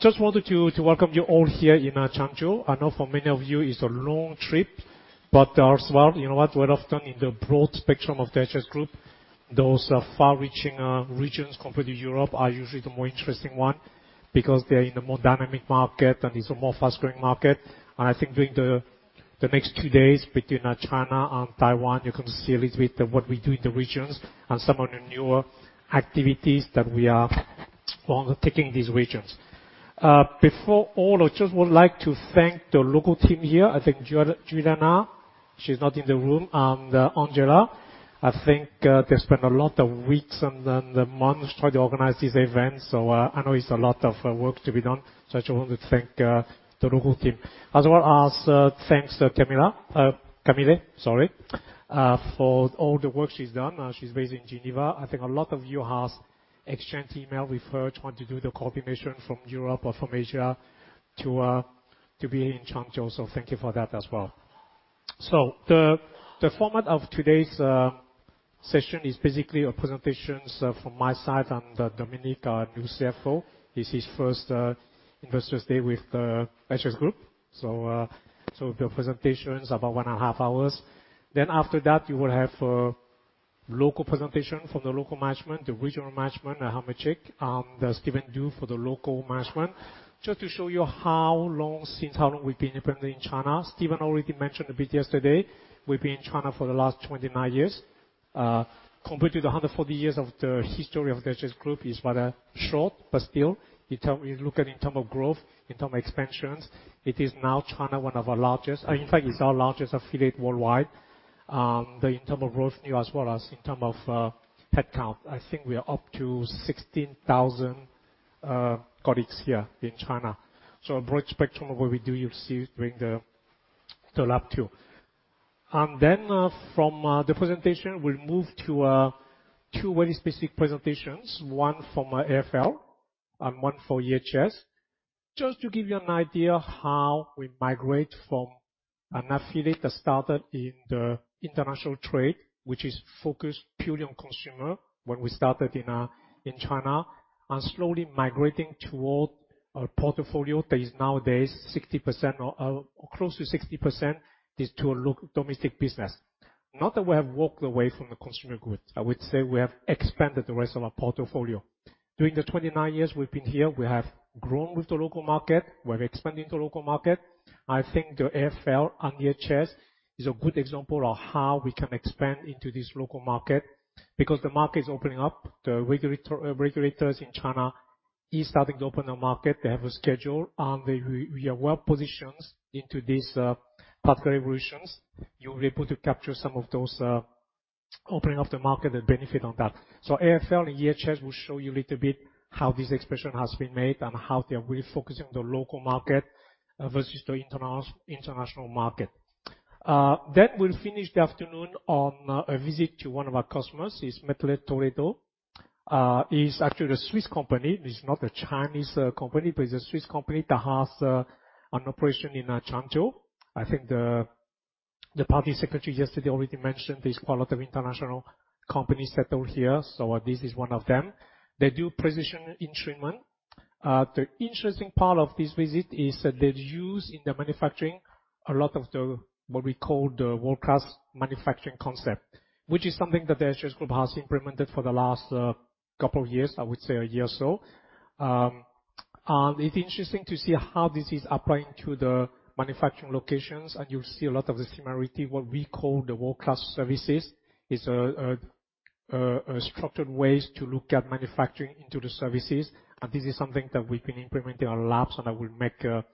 Just wanted to welcome you all here in Changzhou. I know for many of you, it's a long trip, but as well, you know what? We're often in the broad spectrum of the SGS Group. Those far-reaching regions compared to Europe are usually the more interesting one because they are in a more dynamic market, and it's a more fast-growing market. I think during the next two days between China and Taiwan, you're going to see a little bit of what we do in the regions and some of the newer activities that we are undertaking these regions. Before all, I just would like to thank the local team here. I think Juliana, she's not in the room, and Angela. I think they spent a lot of weeks and months trying to organize this event. I know it's a lot of work to be done. I just wanted to thank the local team. As well as thanks, Camille. Camille, sorry, for all the work she's done. She's based in Geneva. I think a lot of you has exchanged email with her trying to do the coordination from Europe or from Asia to be in Changzhou. Thank you for that as well. The format of today's session is basically presentations from my side and Dominik, our new CFO. This is first Investors Day with the SGS Group. The presentation is about one and a half hours. After that, you will have a local presentation from the local management, the regional management, Hermann Check, and Steven Du for the local management. Just to show you how long since we've been operating in China. Steven already mentioned a bit yesterday. We've been in China for the last 29 years. Compared to the 140 years of the history of the SGS Group is rather short, but still, you look at in terms of growth, in terms of expansions, it is now China, it's our largest affiliate worldwide. In terms of revenue as well as in terms of headcount. I think we are up to 16,000 colleagues here in China. A broad spectrum of what we do you'll see during the lab tour. From the presentation, we'll move to two very specific presentations, one for AFL and one for EHS. Just to give you an idea how we migrate from an affiliate that started in the international trade, which is focused purely on consumer when we started in China, and slowly migrating toward a portfolio that is nowadays 60% or close to 60% is to a domestic business. Not that we have walked away from the consumer goods. I would say we have expanded the rest of our portfolio. During the 29 years we've been here, we have grown with the local market. We're expanding the local market. I think the AFL and EHS is a good example of how we can expand into this local market because the market is opening up. The regulators in China is starting to open the market. They have a schedule, and we are well positioned into this path evolutions. You'll be able to capture some of those opening of the market and benefit on that. AFL and EHS will show you a little bit how this expression has been made and how they are really focusing on the local market versus the international market. We'll finish the afternoon on a visit to one of our customers, is METTLER TOLEDO. It's actually a Swiss company. It's not a Chinese company, but it's a Swiss company that has an operation in Changzhou. I think the party secretary yesterday already mentioned there's quite a lot of international companies settled here, so this is one of them. They do precision instrument. The interesting part of this visit is that they use in the manufacturing a lot of the, what we call the world-class manufacturing concept. Which is something that the SGS Group has implemented for the last couple of years, I would say a year or so. It's interesting to see how this is applying to the manufacturing locations, and you'll see a lot of the similarity, what we call the world-class services, is structured ways to look at manufacturing into the services. This is something that we've been implementing a lot, and I will make a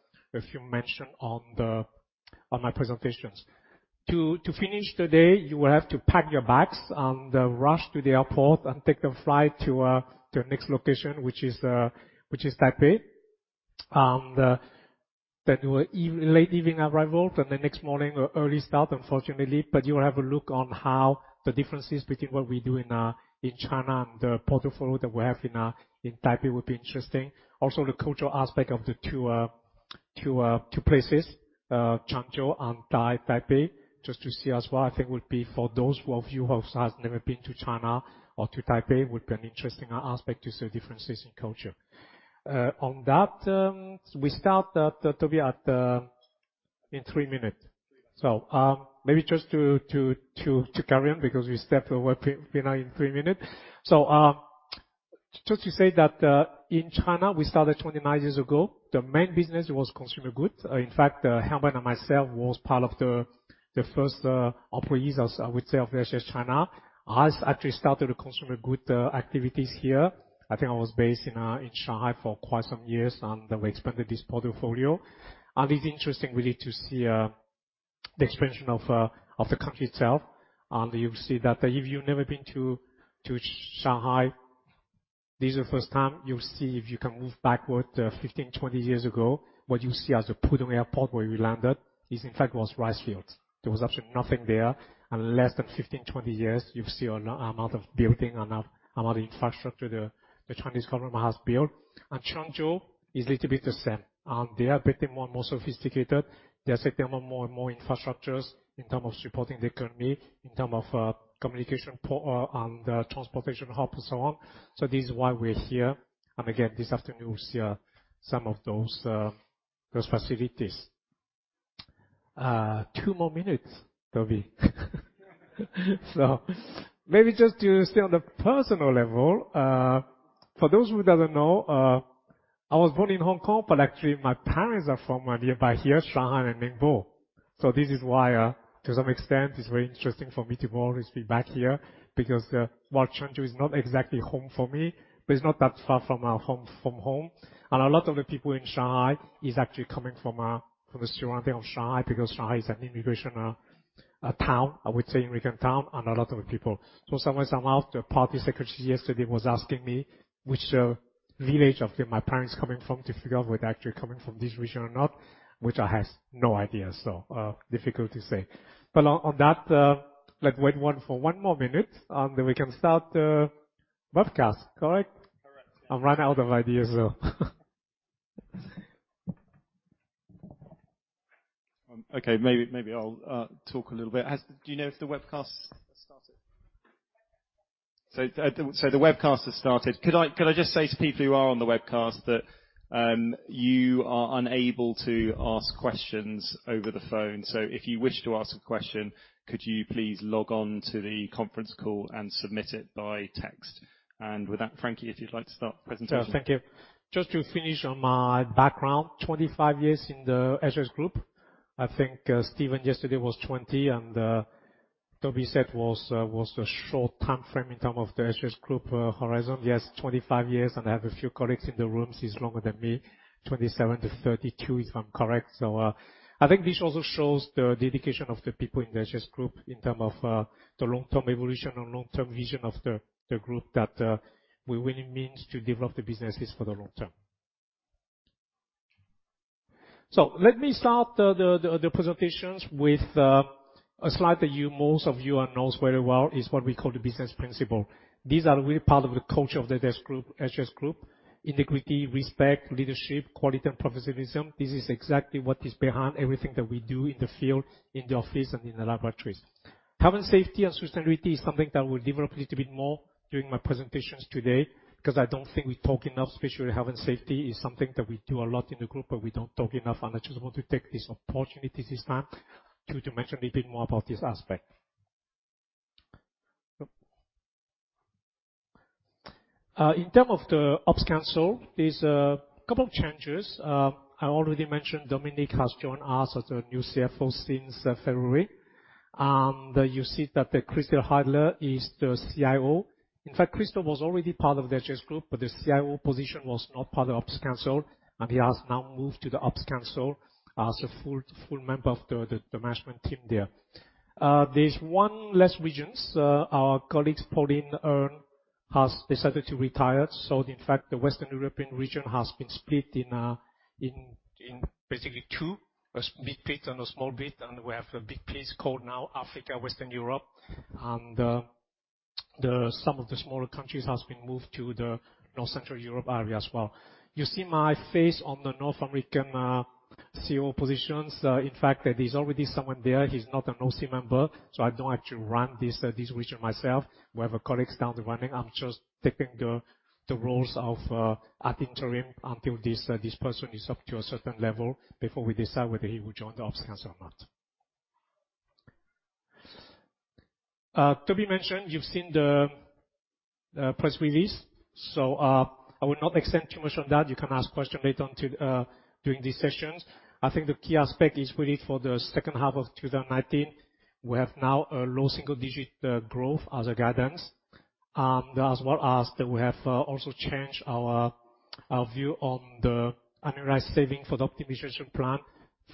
few mention on my presentations. To finish today, you will have to pack your bags and rush to the airport and take a flight to the next location, which is Taipei. Then late evening arrival, and the next morning early start, unfortunately. You will have a look on how the differences between what we do in China and the portfolio that we have in Taipei would be interesting. Also, the cultural aspect of the two places, Changzhou and Taipei, just to see as well, I think would be for those of you who has never been to China or to Taipei, would be an interesting aspect to see differences in culture. On that, we start to be in three minutes. Three minutes. Maybe just to carry on because we step over in three minutes. Just to say that in China, we started 29 years ago. The main business was consumer goods. In fact, Hermann and myself was part of the first employees, I would say, of the SGS China. Has actually started the consumer goods activities here. I think I was based in Shanghai for quite some years, and then we expanded this portfolio. It's interesting really to see the expansion of the country itself. You'll see that if you've never been to Shanghai, this is the first time, you'll see if you can move backward 15, 20 years ago, what you see as the Pudong Airport where we landed, is in fact was rice fields. There was absolutely nothing there. Less than 15, 20 years, you see amount of building and amount of infrastructure the Chinese government has built. Changzhou is little bit the same. They are getting more and more sophisticated. They are setting up more and more infrastructures in terms of supporting the economy, in terms of communication port and transportation hub and so on. This is why we're here. Again, this afternoon, we'll see some of those facilities. Two more minutes, Toby. Maybe just to stay on the personal level. For those who don't know, I was born in Hong Kong, but actually my parents are from nearby here, Shanghai and Ningbo. This is why, to some extent, it's very interesting for me to always be back here because while Changzhou is not exactly home for me, but it's not that far from home. A lot of the people in Shanghai is actually coming from the surrounding of Shanghai, because Shanghai is an immigration town, I would say immigration town. Somewhere, somehow, the party secretary yesterday was asking me which village of my parents coming from to figure out whether actually coming from this region or not, which I have no idea. Difficult to say. On that, let's wait for one more minute, and then we can start the webcast. Correct? Correct. I'm running out of ideas, so. Okay. Maybe I'll talk a little bit. Do you know if the webcast has started? The webcast has started. Could I just say to people who are on the webcast that you are unable to ask questions over the phone. If you wish to ask a question, could you please log on to the conference call and submit it by text. With that, Frankie, if you'd like to start presentation. Thank you. Just to finish on my background. 25 years in the SGS Group. I think Steven yesterday was 20, and Toby said was a short timeframe in term of the SGS Group horizon. Yes, 25 years, and I have a few colleagues in the room since longer than me, 27 years to 32 years, if I'm correct. I think this also shows the dedication of the people in the SGS Group in term of the long-term evolution or long-term vision of the group that we're really means to develop the businesses for the long term. Let me start the presentations with a slide that most of you knows very well, is what we call the business principle. These are really part of the culture of the SGS Group. Integrity, respect, leadership, quality, and professionalism. This is exactly what is behind everything that we do in the field, in the office, and in the laboratories. Health and safety and sustainability is something that we'll develop little bit more during my presentations today because I don't think we talk enough, especially health and safety is something that we do a lot in the Group, but we don't talk enough, and I just want to take this opportunity this time to mention a little bit more about this aspect. In term of the Ops Council, there's a couple of changes. I already mentioned Dominik has joined us as a new CFO since February. You see that Christoph Heidler is the CIO. In fact, Christoph was already part of the SGS Group, but the CIO position was not part of Ops Council, and he has now moved to the Ops Council as a full member of the management team there. There's one less regions. Our colleague, Pauline Earl, has decided to retire. In fact, the Western European region has been split in basically two, a big bit and a small bit, and we have a big PEs called now Africa Western Europe. Some of the smaller countries has been moved to the North Central Europe area as well. You see my face on the North American CEO positions. In fact, there's already someone there. He's not an OC member, so I don't actually run this region myself. We have a colleague down there running. I'm just taking the roles of acting interim until this person is up to a certain level before we decide whether he will join the Ops Council or not. Toby mentioned you've seen the press release. I will not extend too much on that. You can ask questions later on during these sessions. I think the key aspect is really for the second half of 2019. We have now a low single-digit growth as a guidance. As well as that we have also changed our view on the annualized saving for the optimization plan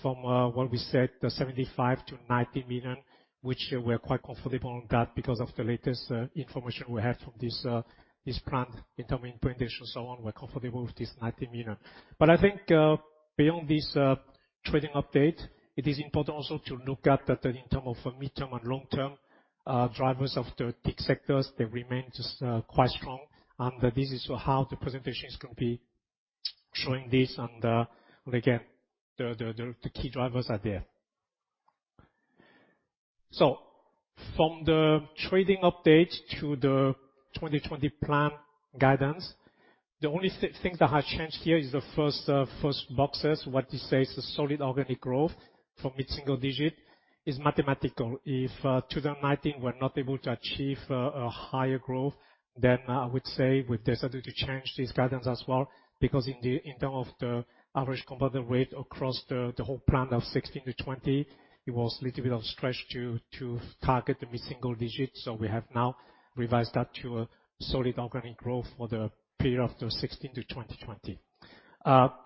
from what we said, the 75-90 million, which we're quite comfortable on that because of the latest information we have from this plan in term implementation and so on. We're comfortable with this 90 million. I think beyond this trading update, it is important also to look at that in terms of midterm and long-term drivers of the key sectors. They remain just quite strong, and this is how the presentations can be showing this, and again, the key drivers are there. From the trading update to the 2020 plan guidance, the only thing that has changed here is the first boxes. What it says, the solid organic growth from mid-single digit is mathematical. If 2019, we're not able to achieve a higher growth, then I would say we've decided to change this guidance as well. In terms of the average compounded rate across the whole plan of 2016 to 2020, it was little bit of stretch to target the mid-single digits. We have now revised that to a solid organic growth for the period of the 2016 to 2020.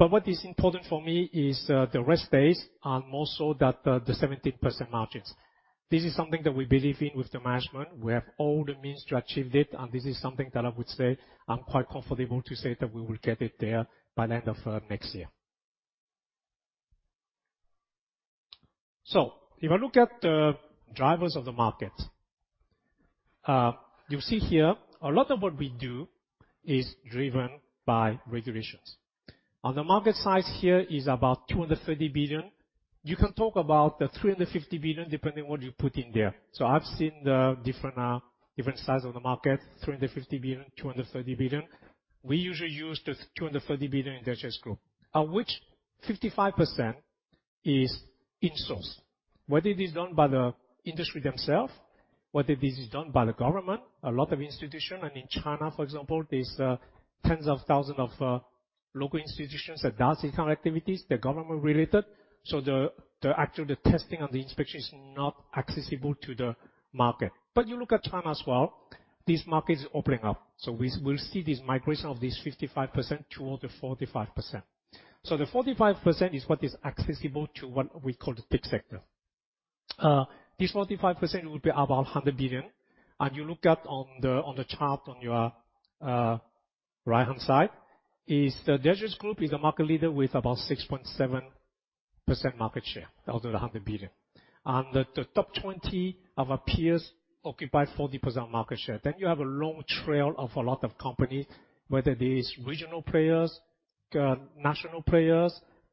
What is important for me is the rest days, and more so that the 17% margins. This is something that we believe in with the management. We have all the means to achieve it, and this is something that I would say I'm quite comfortable to say that we will get it there by the end of next year. If I look at the drivers of the market. You see here a lot of what we do is driven by regulations. The market size here is about 230 billion. You can talk about the 350 billion depending what you put in there. I've seen the different size of the market, 350 billion, 230 billion. We usually use the 230 billion in SGS Group, of which 55% is insourced. Whether it is done by the industry themselves, whether it is done by the government, a lot of institutions, and in China, for example, there is tens of thousands of local institutions that does this kind of activities, they're government-related. Actually, the testing and the inspection is not accessible to the market. You look at China as well, this market is opening up. We'll see this migration of this 55% toward the 45%. The 45% is what is accessible to what we call the TIC sector. This 45% will be about 100 billion. You look at on the chart on your right-hand side, is the SGS Group is a market leader with about 6.7% market share out of the 100 billion. The top 20 of our peers occupy 40% market share. You have a long trail of a lot of companies, whether it is regional players, national players,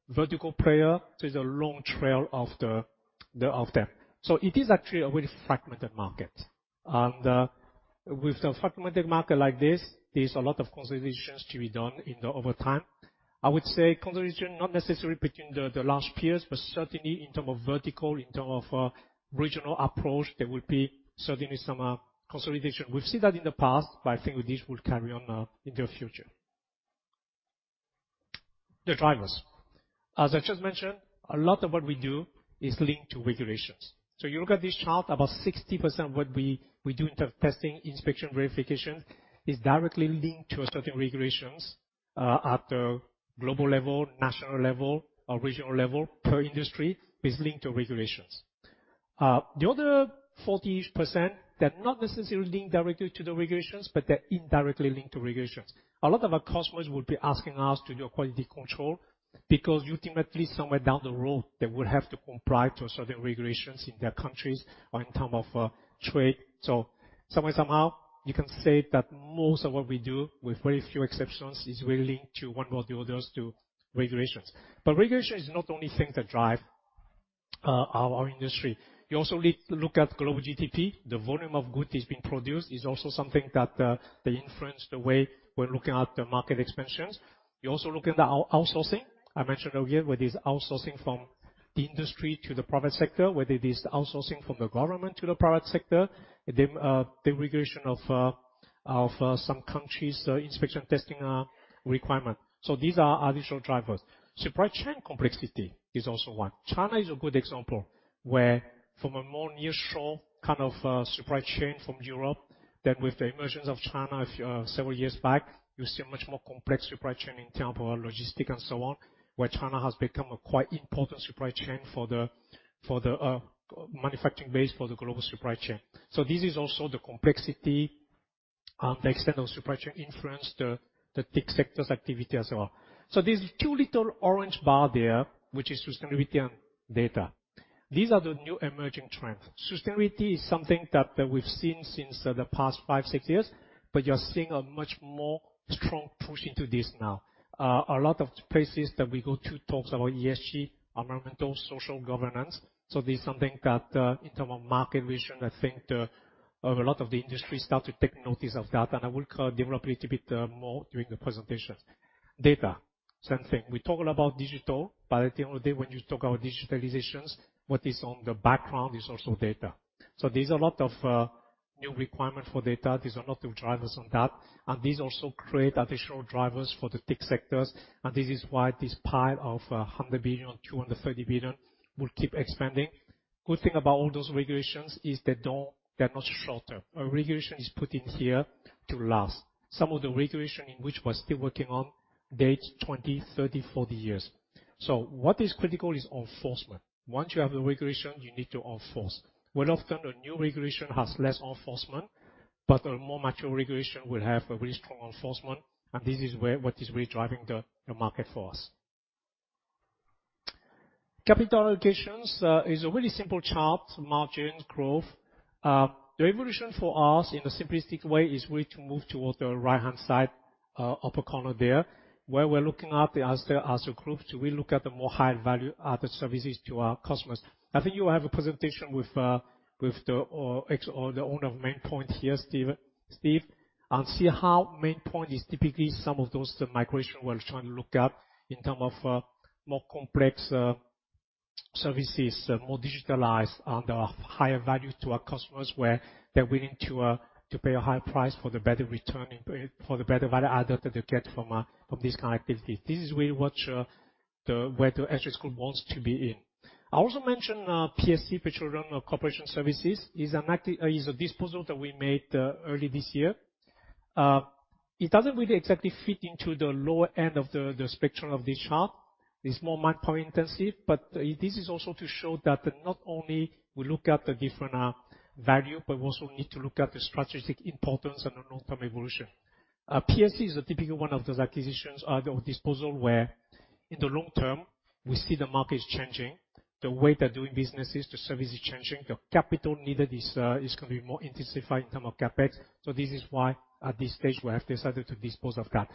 vertical player. It's a long trail of them. It is actually a very fragmented market. With a fragmented market like this, there's a lot of consolidations to be done over time. I would say consolidation, not necessarily between the large peers, but certainly in term of vertical, in term of regional approach, there will be certainly some consolidation. We've seen that in the past, but I think this will carry on into the future. The drivers. As I just mentioned, a lot of what we do is linked to regulations. You look at this chart, about 60% of what we do in terms of testing, inspection, verification, is directly linked to a certain regulations at the global level, national level, or regional level, per industry, is linked to regulations. The other 40-ish%, they're not necessarily linked directly to the regulations, but they're indirectly linked to regulations. A lot of our customers would be asking us to do quality control, because ultimately somewhere down the road, they will have to comply to certain regulations in their countries or in term of trade. Somewhere, somehow, you can say that most of what we do, with very few exceptions, is really linked to one or the others to regulations. Regulation is not the only thing that drive our industry. You also look at global GDP. The volume of good is being produced is also something that they influence the way we're looking at the market expansions. You also look at the outsourcing. I mentioned earlier, whether it's outsourcing from the industry to the private sector, whether it is outsourcing from the government to the private sector, the regulation of some countries, the inspection testing requirement. These are additional drivers. Supply chain complexity is also one. China is a good example, where from a more neutral kind of supply chain from Europe, that with the emergence of China several years back, you see a much more complex supply chain in term of logistic and so on, where China has become a quite important supply chain for the manufacturing base for the global supply chain. This is also the complexity and the extent of supply chain influence the TIC sector's activity as well. These two little orange bar there, which is sustainability and data. These are the new emerging trends. Sustainability is something that we've seen since the past five, six years, but you're seeing a much more strong push into this now. A lot of places that we go to talks about ESG, environmental, social, governance. This is something that in term of market vision, I think a lot of the industry start to take notice of that, and I will develop a little bit more during the presentation. Data, same thing. We talk about digital, but at the end of the day when you talk about digitalizations, what is on the background is also data. There's a lot of new requirement for data. There's a lot of drivers on that. These also create additional drivers for the TIC sectors. This is why this pile of 100 billion, 230 billion will keep expanding. Good thing about all those regulations is they're not shorter. A regulation is put in here to last. Some of the regulation in which we're still working on date 20, 30, 40 years. What is critical is enforcement. Once you have the regulation, you need to enforce. Very often, the new regulation has less enforcement, but the more mature regulation will have a very strong enforcement, and this is what is really driving the market force. Capital allocations is a really simple chart, margin, growth. The evolution for us, in a simplistic way, is really to move towards the right-hand side, upper corner there, where we're looking at the other groups. We look at the more high value added services to our customers. I think you have a presentation with the owner of Maine Pointe here, Steven, and see how Maine Pointe is typically some of those migration we're trying to look at in terms of more complex services, more digitalized and higher value to our customers, where they're willing to pay a higher price for the better return, for the better value add that they get from these kind of activities. This is where the SGS Group wants to be in. I also mentioned PSC, Petroleum Service Corporation, is a disposal that we made early this year. It doesn't really exactly fit into the lower end of the spectrum of this chart. It's more manpower intensive, but this is also to show that not only we look at the different value, but we also need to look at the strategic importance and the long-term evolution. PSC is a typical one of those acquisitions or disposal where in the long term, we see the market is changing. The way they're doing business is the service is changing. The capital needed is going to be more intensified in terms of CapEx. This is why at this stage, we have decided to dispose of that.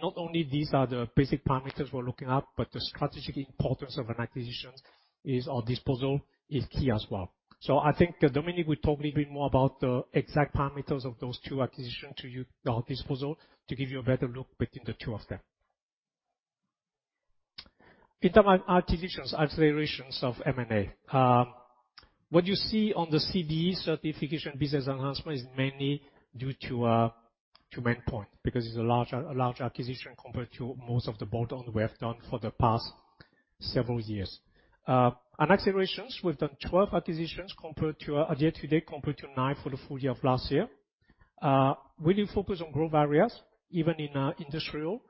Not only these are the basic parameters we're looking at, but the strategic importance of an acquisition or disposal is key as well. I think Dominik will talk a little bit more about the exact parameters of those two acquisitions to you, or disposal, to give you a better look between the two of them. In terms of acquisitions, accelerations of M&A. What you see on the CBE Certification and Business Enhancement is mainly due to Maine Pointe, because it's a large acquisition compared to most of the bolt-ons we have done for the past several years. On acquisitions, we've done 12 acquisitions year to date compared to nine for the full-year of last year. Focused on growth areas, even in industrial.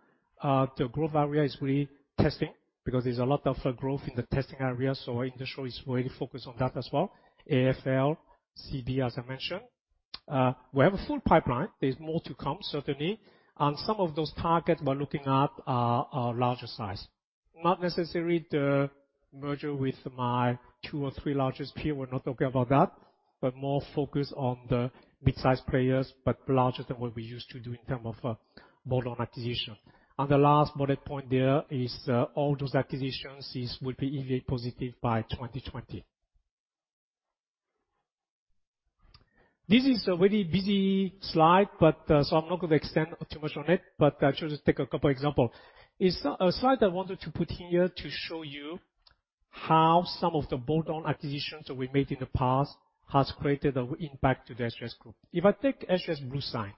The growth area is really testing, because there's a lot of growth in the testing area, industrial is really focused on that as well. AFL, CBE, as I mentioned. We have a full pipeline. There's more to come, certainly. Some of those targets we're looking at are larger size. Not necessarily the merger with my two or three largest peer, we're not talking about that. More focused on the mid-size players, but larger than what we used to do in term of bolt-on acquisition. The last bullet point there is all those acquisitions will be EBITDA positive by 2020. This is a very busy slide, so I'm not going to extend too much on it, but I'll just take a couple example. A slide I wanted to put here to show you how some of the bolt-on acquisitions we made in the past has created an impact to the SGS Group. If I take SGS bluesign,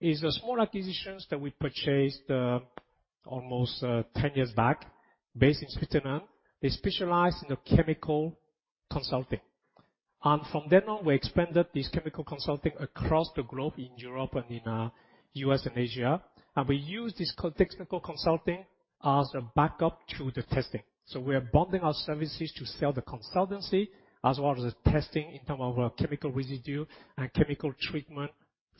it's a small acquisitions that we purchased almost 10 years back based in Switzerland. They specialize in chemical consulting. From then on, we expanded this chemical consulting across the globe in Europe and in U.S. and Asia. We use this technical consulting as a backup to the testing. We are bonding our services to sell the consultancy as well as the testing in term of chemical residue and chemical treatment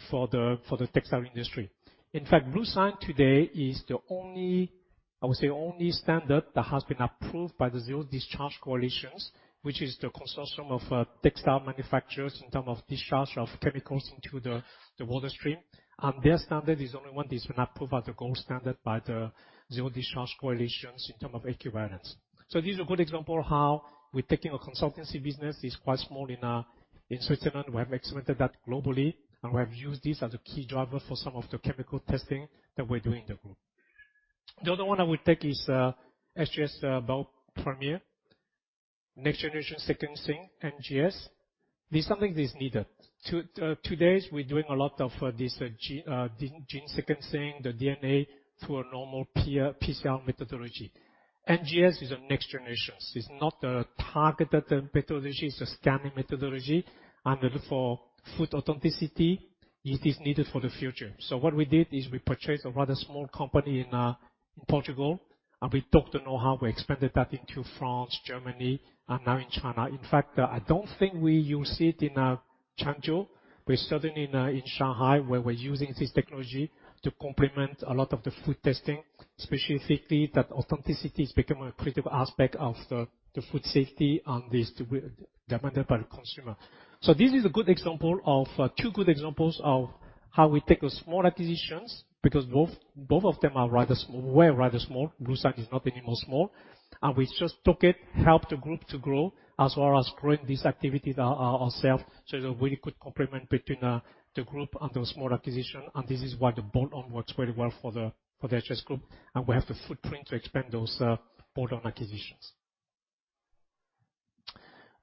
for the textile industry. Bluesign today is, I would say, only standard that has been approved by the Zero Discharge Coalitions, which is the consortium of textile manufacturers in term of discharge of chemicals into the water stream. Their standard is the only one is approved as the gold standard by the Zero Discharge Coalition in term of equivalence. This is a good example how we're taking a consultancy business, it's quite small in Switzerland. We have expanded that globally, and we have used this as a key driver for some of the chemical testing that we're doing in the group. The other one I would take is SGS Biopremier. Next generation sequencing, NGS. This is something that is needed. Today, we're doing a lot of this gene sequencing, the DNA, through a normal PCR methodology. NGS is a next generation. It's not a targeted methodology, it's a scanning methodology. For food authenticity, it is needed for the future. What we did is we purchased a rather small company in Portugal, and we took the know-how, we expanded that into France, Germany, and now in China. In fact, I don't think we use it in Changzhou. Certainly in Shanghai, where we're using this technology to complement a lot of the food testing, specifically that authenticity is becoming a critical aspect of the food safety and is demanded by the consumer. This is two good examples of how we take a small acquisitions, because both of them were rather small. bluesign is not anymore small. We just took it, helped the group to grow, as well as growing this activity ourself. It's a really good complement between the group and the small acquisition, and this is why the bolt-on works very well for the SGS Group. We have the footprint to expand those bolt-on acquisitions.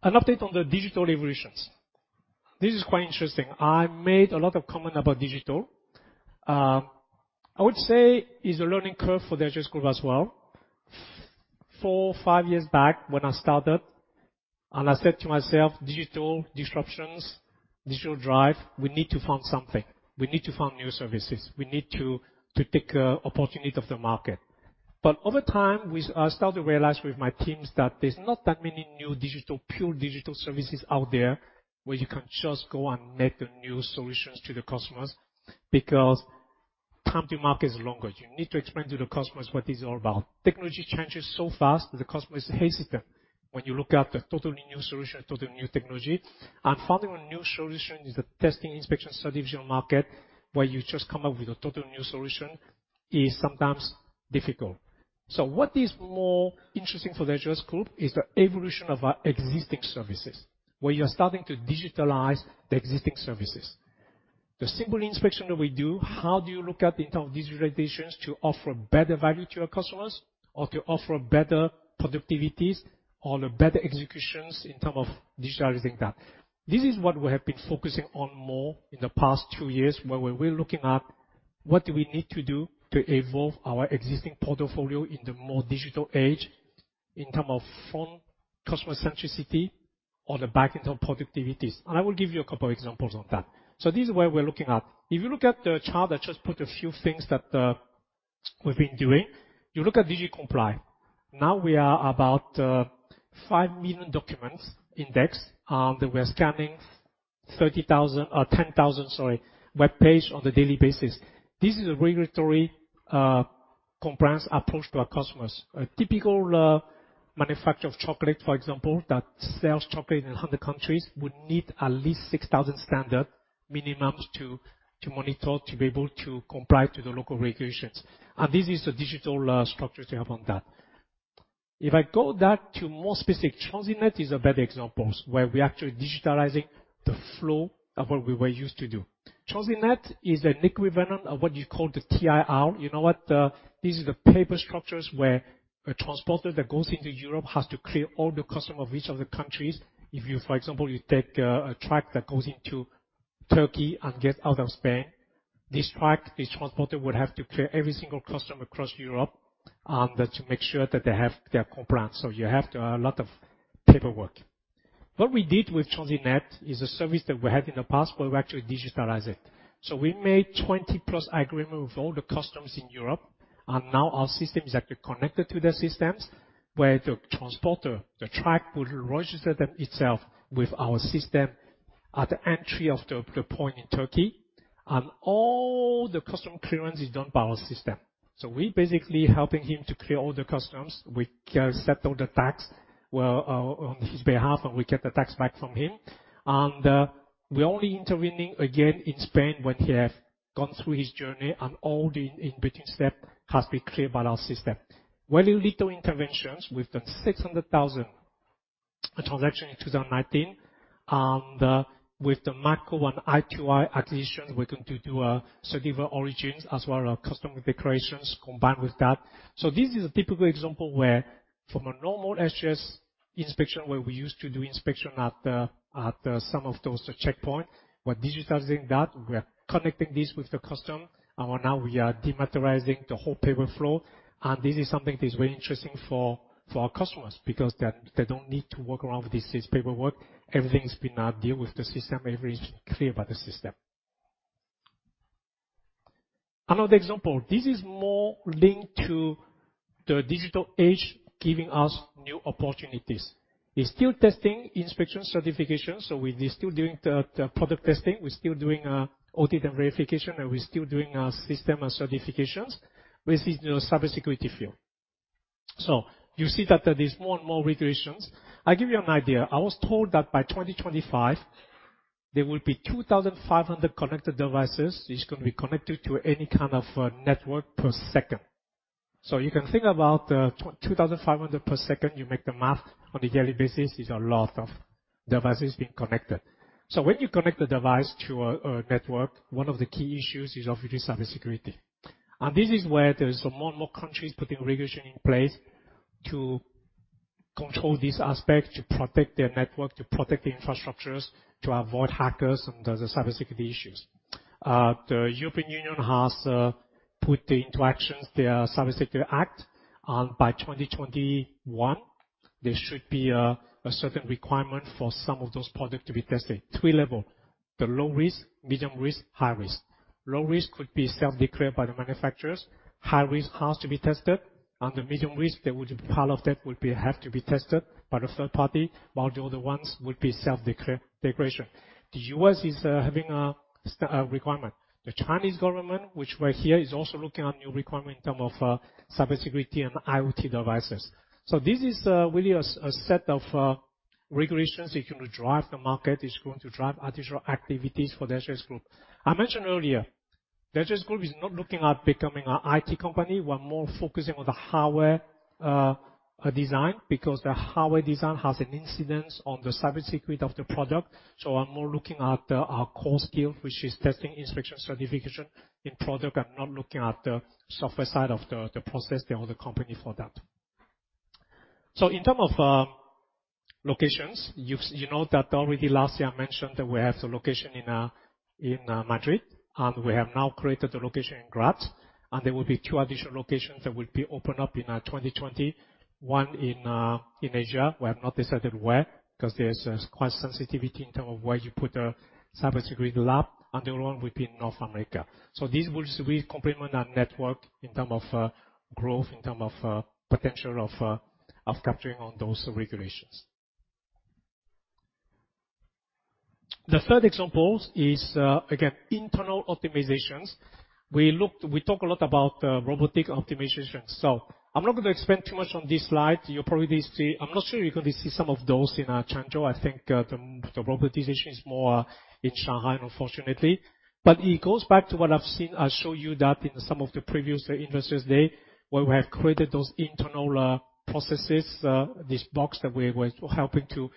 An update on the digital evolutions. This is quite interesting. I made a lot of comment about digital. I would say it's a learning curve for the SGS Group as well. Four, five years back when I started, and I said to myself, "Digital disruptions, digital drive, we need to find something. We need to find new services. We need to take opportunity of the market." Over time, I started to realize with my teams that there's not that many new digital, pure digital services out there where you can just go and make the new solutions to the customers, because time-to-market is longer. You need to explain to the customers what it's all about. Technology changes so fast that the customer is hesitant when you look at the totally new solution, totally new technology. Finding a new solution in the testing inspection certification market, where you just come up with a total new solution, is sometimes difficult. What is more interesting for the SGS Group is the evolution of our existing services. Where you are starting to digitalize the existing services. The simple inspection that we do, how do you look at in term of digitalizations to offer better value to your customers or to offer better productivities or better executions in term of digitalizing that? This is what we have been focusing on more in the past two years, where we're really looking at what do we need to do to evolve our existing portfolio in the more digital age in terms of customer centricity or the back end on productivities. I will give you a couple examples on that. This is where we're looking at. If you look at the chart, I just put a few things that we've been doing. You look at Digicomply. Now we are about 5 million documents indexed, and we are scanning 10,000 webpages on a daily basis. This is a regulatory compliance approach to our customers. A typical manufacturer of chocolate, for example, that sells chocolate in 100 countries, would need at least 6,000 standard minimums to monitor to be able to comply to the local regulations. This is a digital structure to help on that. TransitNet is a better example, where we're actually digitalizing the flow of what we were used to do. TransitNet is a digital version of what you call the TIR. You know what? These are the paper structures where a transporter that goes into Europe has to clear all the customs of each of the countries. If you take a truck that goes into Turkey and gets out of Spain, this truck, this transporter would have to clear every single customs across Europe to make sure that they have their compliance. You have to have a lot of paperwork. What we did with TransitNet is a service that we had in the past, but we actually digitalized it. We made 20+ agreement with all the customs in Europe, and now our system is actually connected to their systems, where the transporter, the truck, will register them itself with our system at the entry of the point in Turkey, and all the custom clearance is done by our system. We basically helping him to clear all the customs. We settle the tax on his behalf, and we get the tax back from him. We're only intervening again in Spain when he have gone through his journey and all the in-between step has been cleared by our system. Very little interventions. We've done 600,000 transaction in 2019. With the Maco and ITI acquisitions, we're going to do certificate origins as well as custom declarations combined with that. This is a typical example where, from a normal SGS inspection where we used to do inspection at some of those checkpoint, we're digitalizing that. We are connecting this with the customs, and now we are dematerializing the whole paper flow. This is something that is very interesting for our customers because they don't need to work around with this paperwork. Everything's been now deal with the system. Everything's cleared by the system. Another example, this is more linked to the digital age giving us new opportunities, is still testing inspection certification. We're still doing the product testing. We're still doing audit and verification, and we're still doing system and certifications within the cybersecurity field. You see that there is more and more regulations. I'll give you an idea. I was told that by 2025, there will be 2,500 connected devices. It's going to be connected to any kind of network per second. You can think about 2,500 per second. You make the math on a daily basis, it's a lot of devices being connected. When you connect the device to a network, one of the key issues is obviously cybersecurity. This is where there is more and more countries putting regulation in place to control this aspect, to protect their network, to protect the infrastructures, to avoid hackers and the cybersecurity issues. The European Union has put into actions their Cybersecurity Act, and by 2021, there should be a certain requirement for some of those products to be tested. Three level, the low risk, medium risk, high risk. Low risk could be self-declared by the manufacturers. High risk has to be tested. The medium risk, part of that would have to be tested by the third party, while the other ones would be self-declaration. The U.S. is having a requirement. The Chinese government, which we're here, is also looking at new requirement in term of cybersecurity and IoT devices. This is really a set of regulations that is going to drive the market, is going to drive additional activities for the SGS Group. I mentioned earlier, SGS Group is not looking at becoming an IT company. We're more focusing on the hardware design because the hardware design has an incidence on the cybersecurity of the product. I'm more looking at our core skill, which is testing, inspection, certification in product. I'm not looking at the software side of the process. There are other companies for that. In terms of locations, you know that already last year I mentioned that we have the location in Madrid, and we have now created a location in Graz, and there will be two additional locations that will be opened up in 2020. One in Asia. We have not decided where because there's quite sensitivity in terms of where you put a cybersecurity lab. The other one will be in North America. This will really complement our network in terms of growth, in terms of potential of capturing on those regulations. The third examples is, again, internal optimizations. We talk a lot about robotic optimization. I'm not going to explain too much on this slide. I'm not sure you're going to see some of those in Changzhou. I think the roboticization is more in Shanghai, unfortunately. It goes back to what I've seen. I show you that in some of the previous Investors Day where we have created those internal processes, this box that we're helping to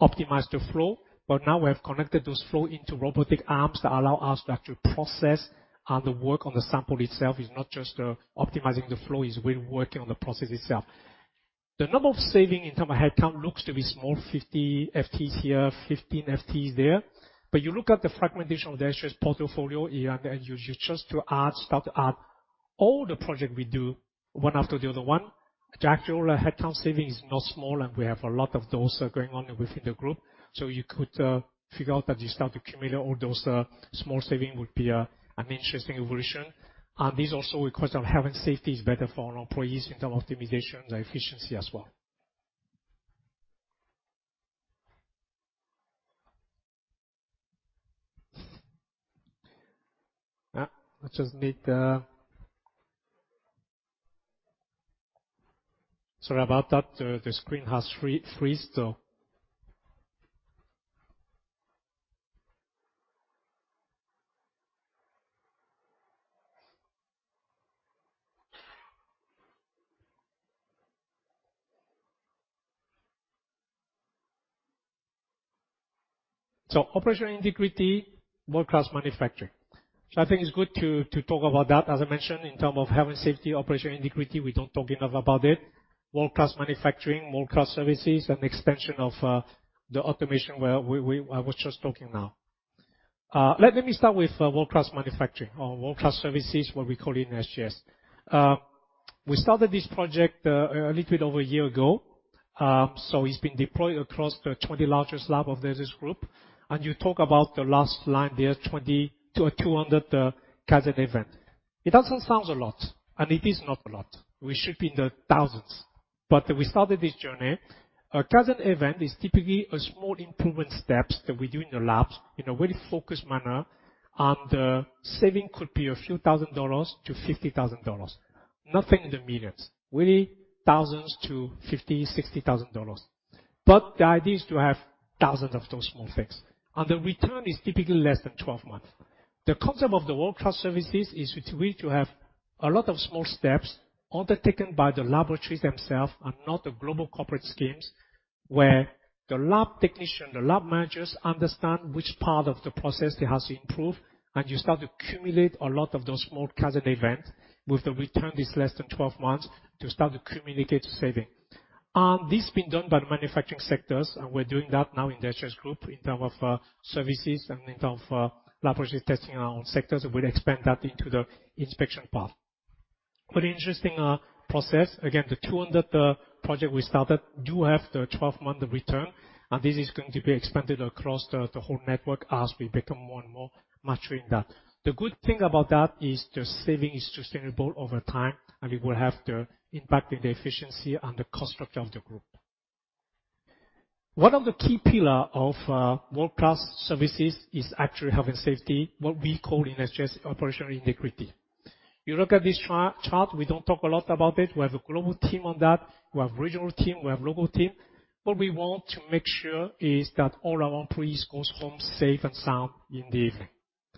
optimize the flow. Now we have connected those flow into robotic arms that allow us to actually process and work on the sample itself. It's not just optimizing the flow, it's really working on the process itself. The number of saving in term of headcount looks to be small, 50 FTEs here, 15 FTEs there. You look at the fragmentation of the SGS portfolio, Ian, and you just start to add all the project we do one after the other one. The actual headcount saving is not small, and we have a lot of those going on within the group. You could figure out that you start to accumulate all those small saving would be an interesting evolution. This also requires on health and safety is better for our employees in terms of optimization and efficiency as well. I just need Sorry about that. The screen has frozen. Operational Integrity, World-class Manufacturing. I think it's good to talk about that. As I mentioned, in terms of health and safety, Operational Integrity, we don't talk enough about it. World-class Manufacturing, World-class Services, extension of the automation where I was just talking now. Let me start with World-class Manufacturing or World-class Services, what we call in SGS. We started this project a little bit over a year ago, it's been deployed across the 20 largest labs of the SGS Group. You talk about the last line there, 20 to a 200 kaizen event. It doesn't sound a lot, and it is not a lot. We should be in the thousands. We started this journey. A kaizen event is typically a small improvement steps that we do in the labs in a very focused manner, and the saving could be a few thousand dollars to $50,000. Nothing in the millions, really thousands to $50,000-60,000. The idea is to have thousands of those small things. The return is typically less than 12 months. The concept of the world-class services is really to have a lot of small steps undertaken by the laboratories themselves and not the global corporate schemes, where the lab technician, the lab managers understand which part of the process they have to improve, and you start to accumulate a lot of those small kaizen event with the return is less than 12 months to start to communicate the saving. This being done by the manufacturing sectors, we're doing that now in the SGS Group in terms of services and in terms of laboratories testing our own sectors. We'll expand that into the inspection path. Interesting process. Again, the 200 project we started do have the 12-month return, this is going to be expanded across the whole network as we become more and more mature in that. The good thing about that is the saving is sustainable over time, it will have the impact in the efficiency and the cost structure of the group. One of the key pillar of world-class services is actually health and safety, what we call in SGS operational integrity. You look at this chart. We don't talk a lot about it. We have a global team on that. We have regional team. We have local team. What we want to make sure is that all our employees goes home safe and sound in the evening.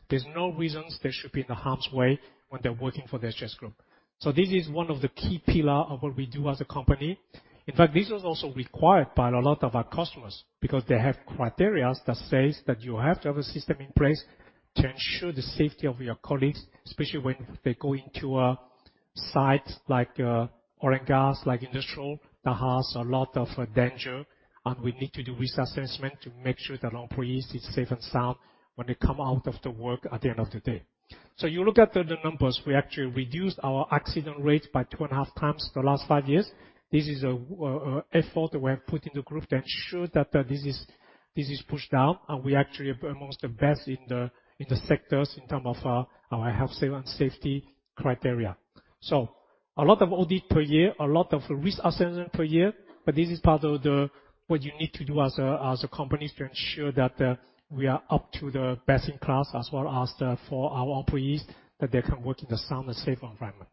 There's no reasons they should be in harm's way when they're working for the SGS Group. This is one of the key pillar of what we do as a company. In fact, this was also required by a lot of our customers because they have criterias that says that you have to have a system in place to ensure the safety of your colleagues, especially when they go into a site like oil and gas, like industrial, that has a lot of danger and we need to do risk assessment to make sure that our employees is safe and sound when they come out of the work at the end of the day. You look at the numbers. We actually reduced our accident rates by two and a half times the last five years. This is a effort that we have put in the group to ensure that this is pushed down and we actually are amongst the best in the sectors in term of our health and safety criteria. A lot of audit per year, a lot of risk assessment per year, but this is part of what you need to do as a company to ensure that we are up to the best in class as well as for our employees, that they can work in a sound and safe environment.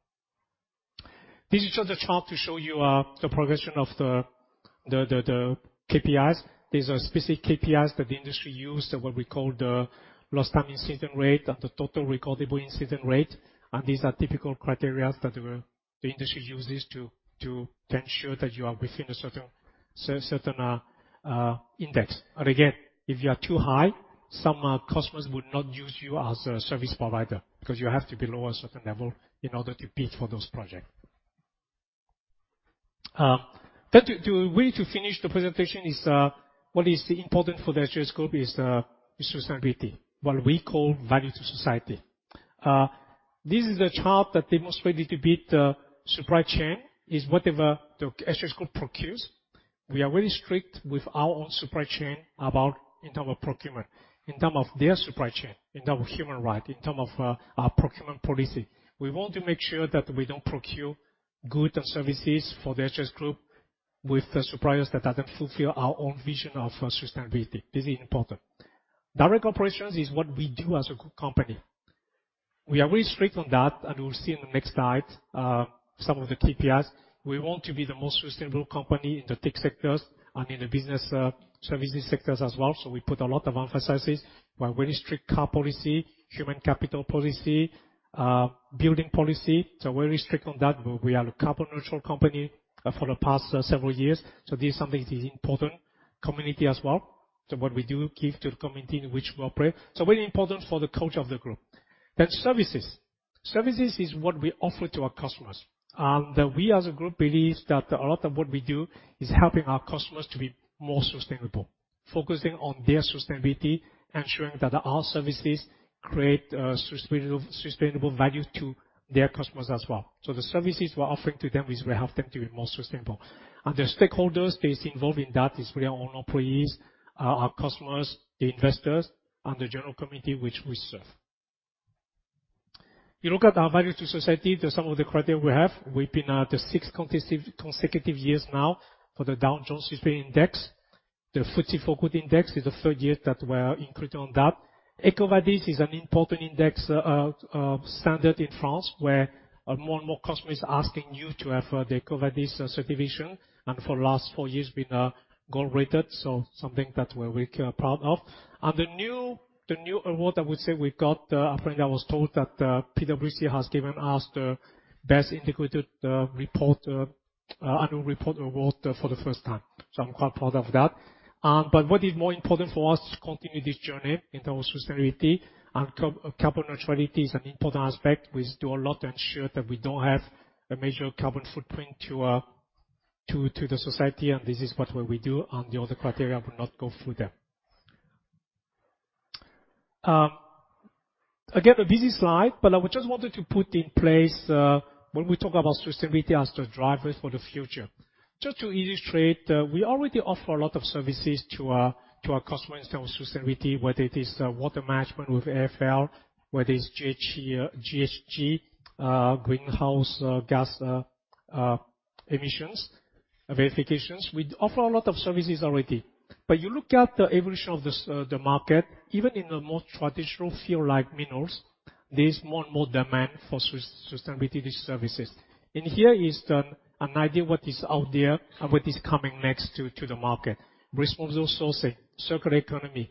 This is just a chart to show you the progression of the KPIs. These are specific KPIs that the industry use, what we call the lost time incident rate and the total recordable incident rate. These are typical criteria that the industry uses to ensure that you are within a certain index. Again, if you are too high, some customers would not use you as a service provider because you have to be below a certain level in order to bid for those projects. To really finish the presentation is, what is important for the SGS Group is sustainability, what we call value to society. This is a chart that demonstrated a bit supply chain, is whatever the SGS Group procures. We are very strict with our own supply chain about in terms of procurement, in terms of their supply chain, in terms of human rights, in terms of our procurement policy. We want to make sure that we don't procure goods and services for the SGS Group with the suppliers that don't fulfill our own vision of sustainability. This is important. Direct operations is what we do as a good company. We are very strict on that, and we'll see in the next slide some of the KPIs. We want to be the most sustainable company in the TIC sectors and in the business services sectors as well. We put a lot of emphasis. We're very strict car policy, human capital policy, building policy. We're very strict on that. We are a carbon neutral company for the past several years. This is something that is important. Community as well. What we do give to the community in which we operate. Very important for the culture of the group. Services. Services is what we offer to our customers. We as a Group believes that a lot of what we do is helping our customers to be more sustainable, focusing on their sustainability, ensuring that our services create sustainable value to their customers as well. The services we're offering to them is we help them to be more sustainable. The stakeholders that is involved in that is really our own employees, our customers, the investors, and the general community which we serve. You look at our value to society, the some of the criteria we have. We've been at the six consecutive years now for the Dow Jones Sustainability Index. The FTSE4Good Index is the third year that we're included on that. EcoVadis is an important index standard in France, where more and more customers asking you to have the EcoVadis certification, and for last four years we are gold-rated, so something that we're proud of. The new award, I would say we got, apparently I was told that PwC has given us the Best Integrated Report Annual Report Award for the first time. I'm quite proud of that. What is more important for us to continue this journey in terms of sustainability and carbon neutrality is an important aspect. We do a lot to ensure that we don't have a major carbon footprint to the society. This is what we do, and the other criteria will not go through them. Again, a busy slide, but I just wanted to put in place, when we talk about sustainability as the driver for the future. Just to illustrate, we already offer a lot of services to our customers in terms of sustainability, whether it is water management with AFL, whether it's GHG, greenhouse gas emissions verifications. We offer a lot of services already. You look at the evolution of the market, even in the more traditional field like minerals, there is more and more demand for sustainability services. Here is an idea what is out there and what is coming next to the market. Responsible sourcing, circular economy.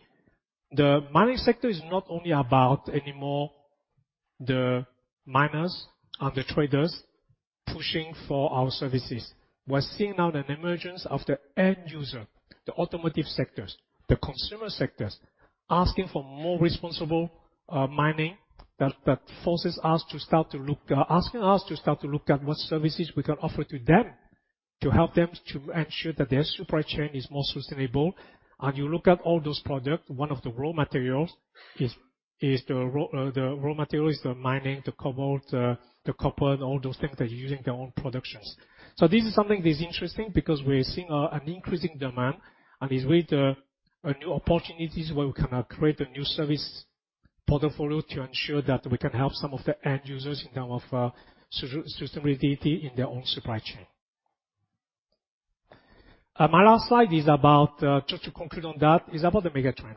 The mining sector is not only about anymore the miners and the traders pushing for our services. We're seeing now an emergence of the end user, the automotive sectors, the consumer sectors, asking for more responsible mining that forces us to start to look, asking us to start to look at what services we can offer to them to help them to ensure that their supply chain is more sustainable. You look at all those products, one of the raw materials is the mining, the cobalt, the copper, and all those things that are using their own productions. This is something that is interesting because we're seeing an increasing demand, and with new opportunities where we can create a new service portfolio to ensure that we can help some of the end users in terms of sustainability in their own supply chain. My last slide is about, just to conclude on that, is about the mega trend.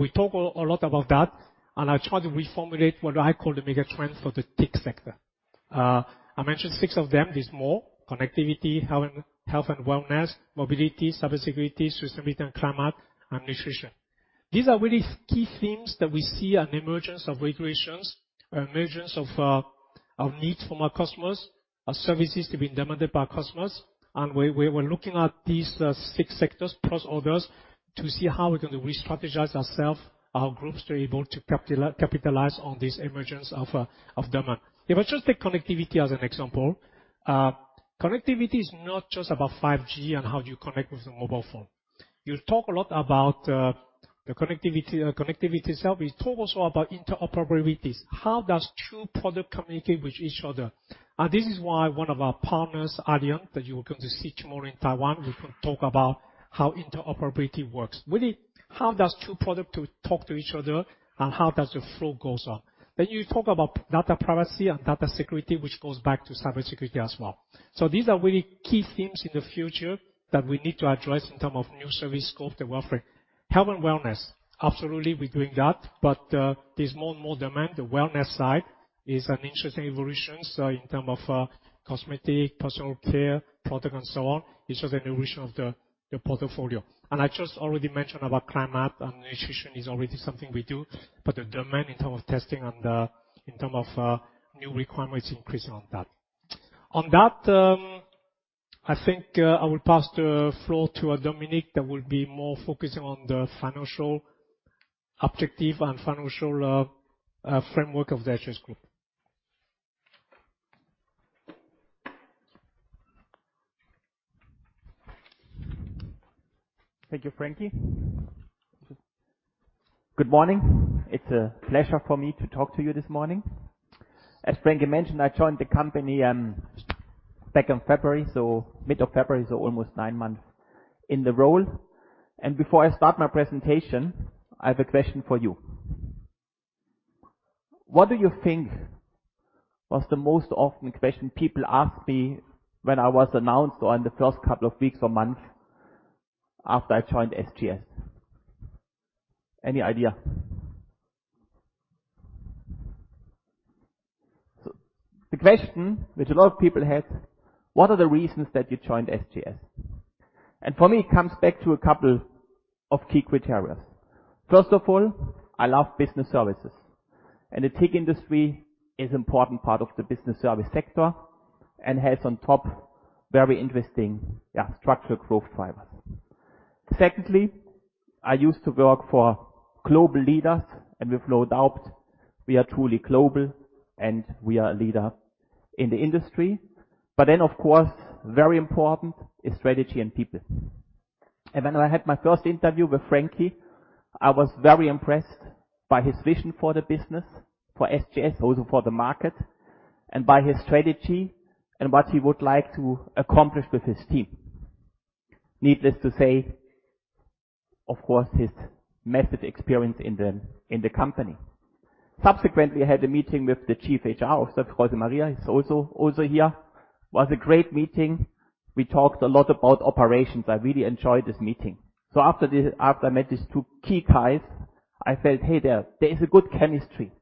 We talk a lot about that, and I try to reformulate what I call the mega trend for the TIC sector. I mentioned six of them. There's more. Connectivity, health and wellness, mobility, cybersecurity, sustainability and climate, and nutrition. These are really key themes that we see an emergence of regulations, an emergence of needs from our customers, services to be demanded by our customers. We're looking at these six sectors plus others to see how we're going to re-strategize ourselves, our groups, to be able to capitalize on this emergence of demand. If I just take connectivity as an example. Connectivity is not just about 5G and how you connect with the mobile phone. You talk a lot about the connectivity itself. We talk also about interoperabilities. How does two product communicate with each other? This is why one of our partners, Allion, that you are going to see tomorrow in Taiwan, we can talk about how interoperability works. Really, how does two product to talk to each other, and how does the flow goes on? You talk about data privacy and data security, which goes back to cybersecurity as well. These are really key themes in the future that we need to address in terms of new service scope that we're offering. Health and wellness. Absolutely, we're doing that, but there's more and more demand. The wellness side is an interesting evolution, so in terms of cosmetic, personal care product and so on, it's just an evolution of the portfolio. I just already mentioned about climate and nutrition is already something we do, but the demand in terms of testing and in terms of new requirements increasing on that. On that, I think I will pass the floor to Dominik that will be more focusing on the financial objective and financial framework of the SGS Group. Thank you, Frankie. Good morning. It's a pleasure for me to talk to you this morning. As Frankie mentioned, I joined the company back in February, mid of February, almost nine months in the role. Before I start my presentation, I have a question for you. What do you think was the most often question people ask me when I was announced or in the first couple of weeks or months after I joined SGS? Any idea? The question which a lot of people had, what are the reasons that you joined SGS? For me, it comes back to a couple of key criterias. First of all, I love business services, and the TIC industry is important part of the business service sector and has on top very interesting, yeah, structural growth drivers. Secondly, I used to work for global leaders, and with no doubt, we are truly global and we are a leader in the industry. Of course, very important is strategy and people. When I had my first interview with Frankie, I was very impressed by his vision for the business, for SGS, also for the market, and by his strategy and what he would like to accomplish with his team. Needless to say, of course, his massive experience in the company. Subsequently, I had a meeting with the Chief HR Officer, Jose Maria. He's also here. Was a great meeting. We talked a lot about operations. I really enjoyed this meeting. After I met these two key guys, I felt, hey, there's a good chemistry.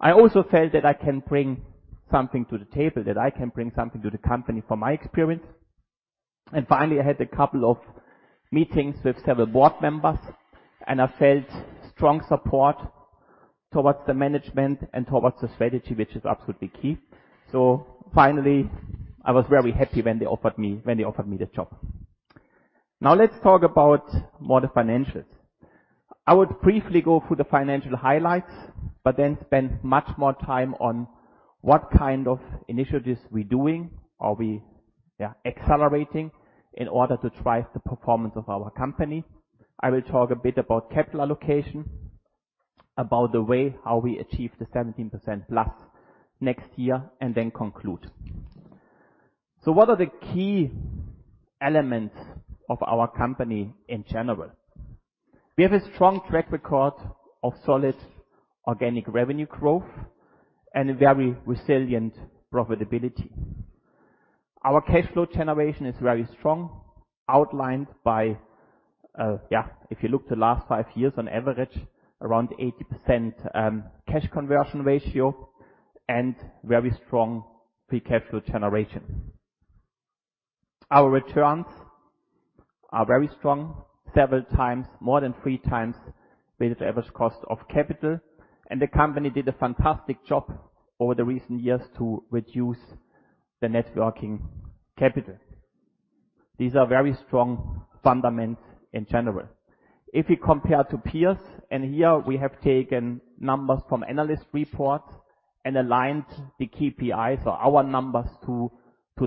I also felt that I can bring something to the table, that I can bring something to the company from my experience. Finally, I had a couple of meetings with several board members, and I felt strong support towards the management and towards the strategy, which is absolutely key. Finally, I was very happy when they offered me the job. Now let's talk about more the financials. I would briefly go through the financial highlights, then spend much more time on what kind of initiatives we're doing. Are we accelerating in order to drive the performance of our company? I will talk a bit about capital allocation, about the way how we achieve the 17%+ next year, and then conclude. What are the key elements of our company in general? We have a strong track record of solid organic revenue growth and a very resilient profitability. Our cash flow generation is very strong, outlined by, if you look the last five years, on average, around 80% cash conversion ratio and very strong free cash flow generation. Our returns are very strong, several times, more than three times weighted average cost of capital, and the company did a fantastic job over the recent years to reduce the net working capital. These are very strong fundamentals in general. Here we have taken numbers from analyst reports and aligned the KPIs or our numbers to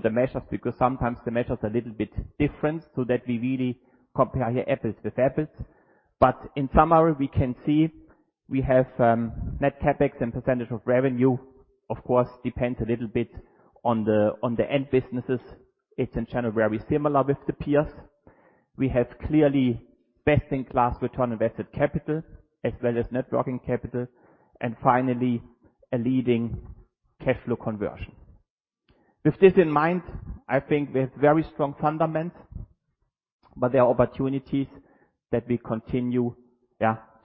the measures because sometimes the measures are a little bit different, so that we really compare here apples with apples. In summary, we can see we have net CapEx and percentage of revenue, of course, depends a little bit on the end businesses. It's in general very similar with the peers. We have clearly best-in-class return on invested capital, as well as net working capital, and finally, a leading cash flow conversion. With this in mind, I think we have very strong fundamentals, but there are opportunities that we continue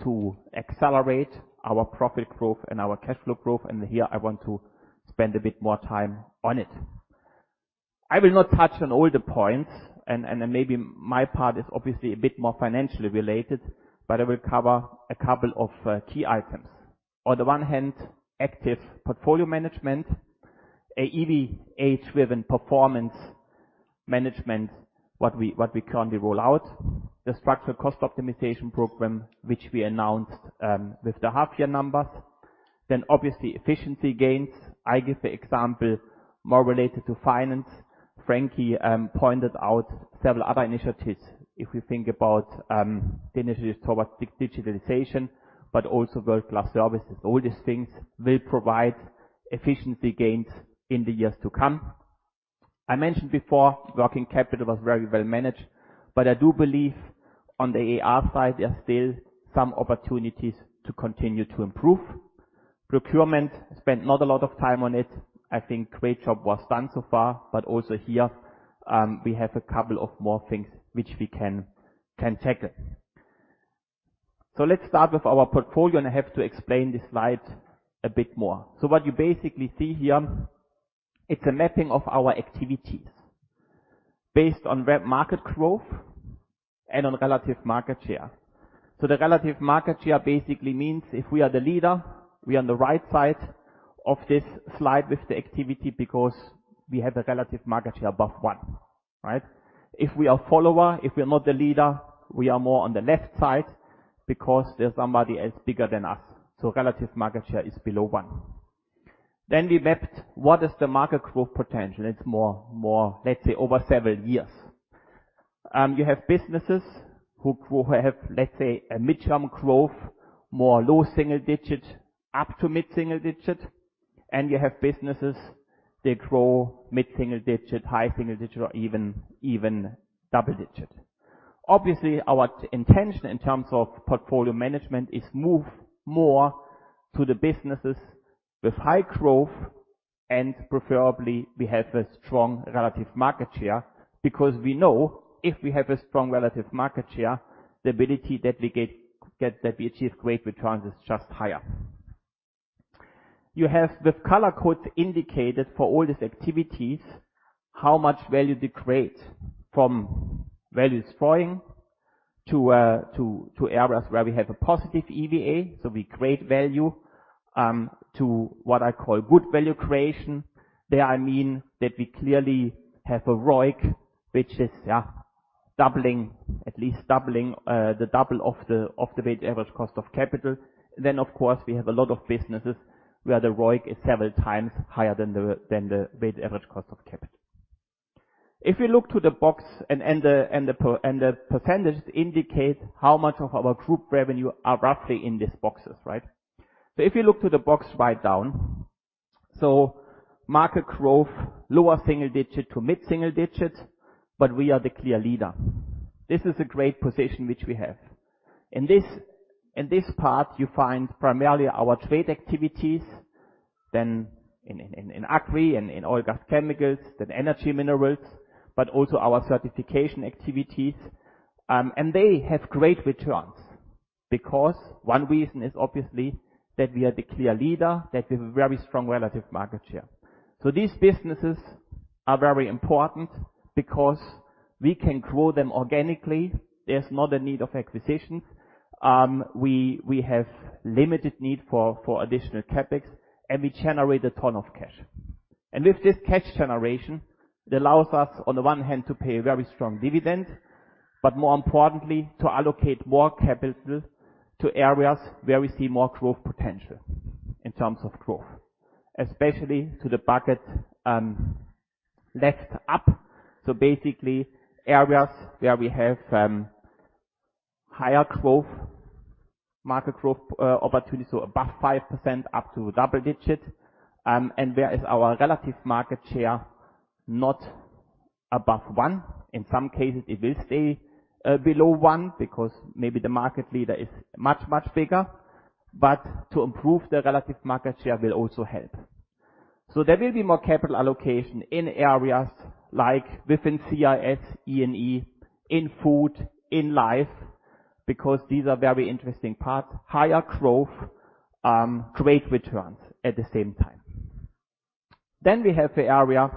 to accelerate our profit growth and our cash flow growth. Here I want to spend a bit more time on it. I will not touch on all the points, and maybe my part is obviously a bit more financially related, but I will cover a couple of key items. On the one hand, active portfolio management, a EVA-driven performance management, what we currently roll out. The Structural Cost Optimization Program, which we announced with the half year numbers. Obviously efficiency gains. I give the example more related to finance. Frankie pointed out several other initiatives, if we think about the initiatives towards digitalization, but also world-class services. All these things will provide efficiency gains in the years to come. I mentioned before, working capital was very well managed, but I do believe on the AR side, there are still some opportunities to continue to improve. Procurement, spent not a lot of time on it. I think great job was done so far, but also here, we have a couple of more things which we can tackle. Let's start with our portfolio, and I have to explain this slide a bit more. What you basically see here, it's a mapping of our activities based on end market growth and on relative market share. The relative market share basically means if we are the leader, we are on the right side of this slide with the activity because we have a relative market share above one, right? If we are follower, if we are not the leader, we are more on the left side because there's somebody else bigger than us. Relative market share is below one. We mapped what is the market growth potential. It's more, let's say, over several years. You have businesses who have, let's say, a midterm growth, more low single digit up to mid-single digit, and you have businesses, they grow mid-single digit, high single digit, or even double digit. Obviously, our intention in terms of portfolio management is move more to the businesses with high growth and preferably we have a strong relative market share because we know if we have a strong relative market share, the ability that we achieve great returns is just higher. You have with color code indicated for all these activities, how much value they create from value destroying to areas where we have a positive EVA, so we create value, to what I call good value creation. There I mean that we clearly have a ROIC, which is at least doubling the double of the weighted average cost of capital. Of course, we have a lot of businesses where the ROIC is several times higher than the weighted average cost of capital. If you look to the box and the percentage indicate how much of our group revenue are roughly in these boxes, right? If you look to the box right down, so market growth, lower single-digit to mid-single-digits, but we are the clear leader. This is a great position which we have. In this part, you find primarily our trade activities, then in agri and in Oil, Gas & Chemicals, then energy minerals, but also our certification activities, and they have great returns. One reason is obviously that we are the clear leader, that we have a very strong relative market share. These businesses are very important because we can grow them organically. There's not a need of acquisition. We have limited need for additional CapEx, and we generate a ton of cash. With this cash generation, it allows us on the one hand to pay a very strong dividend, but more importantly, to allocate more capital to areas where we see more growth potential in terms of growth, especially to the bucket next up. Basically, areas where we have higher market growth opportunity, so above 5% up to double digit. Where is our relative market share? Not above one. In some cases, it will stay below one, because maybe the market leader is much, much bigger. To improve the relative market share will also help. There will be more capital allocation in areas like within CRS, E&E, in food, in life, because these are very interesting parts, higher growth, great returns at the same time. We have the area,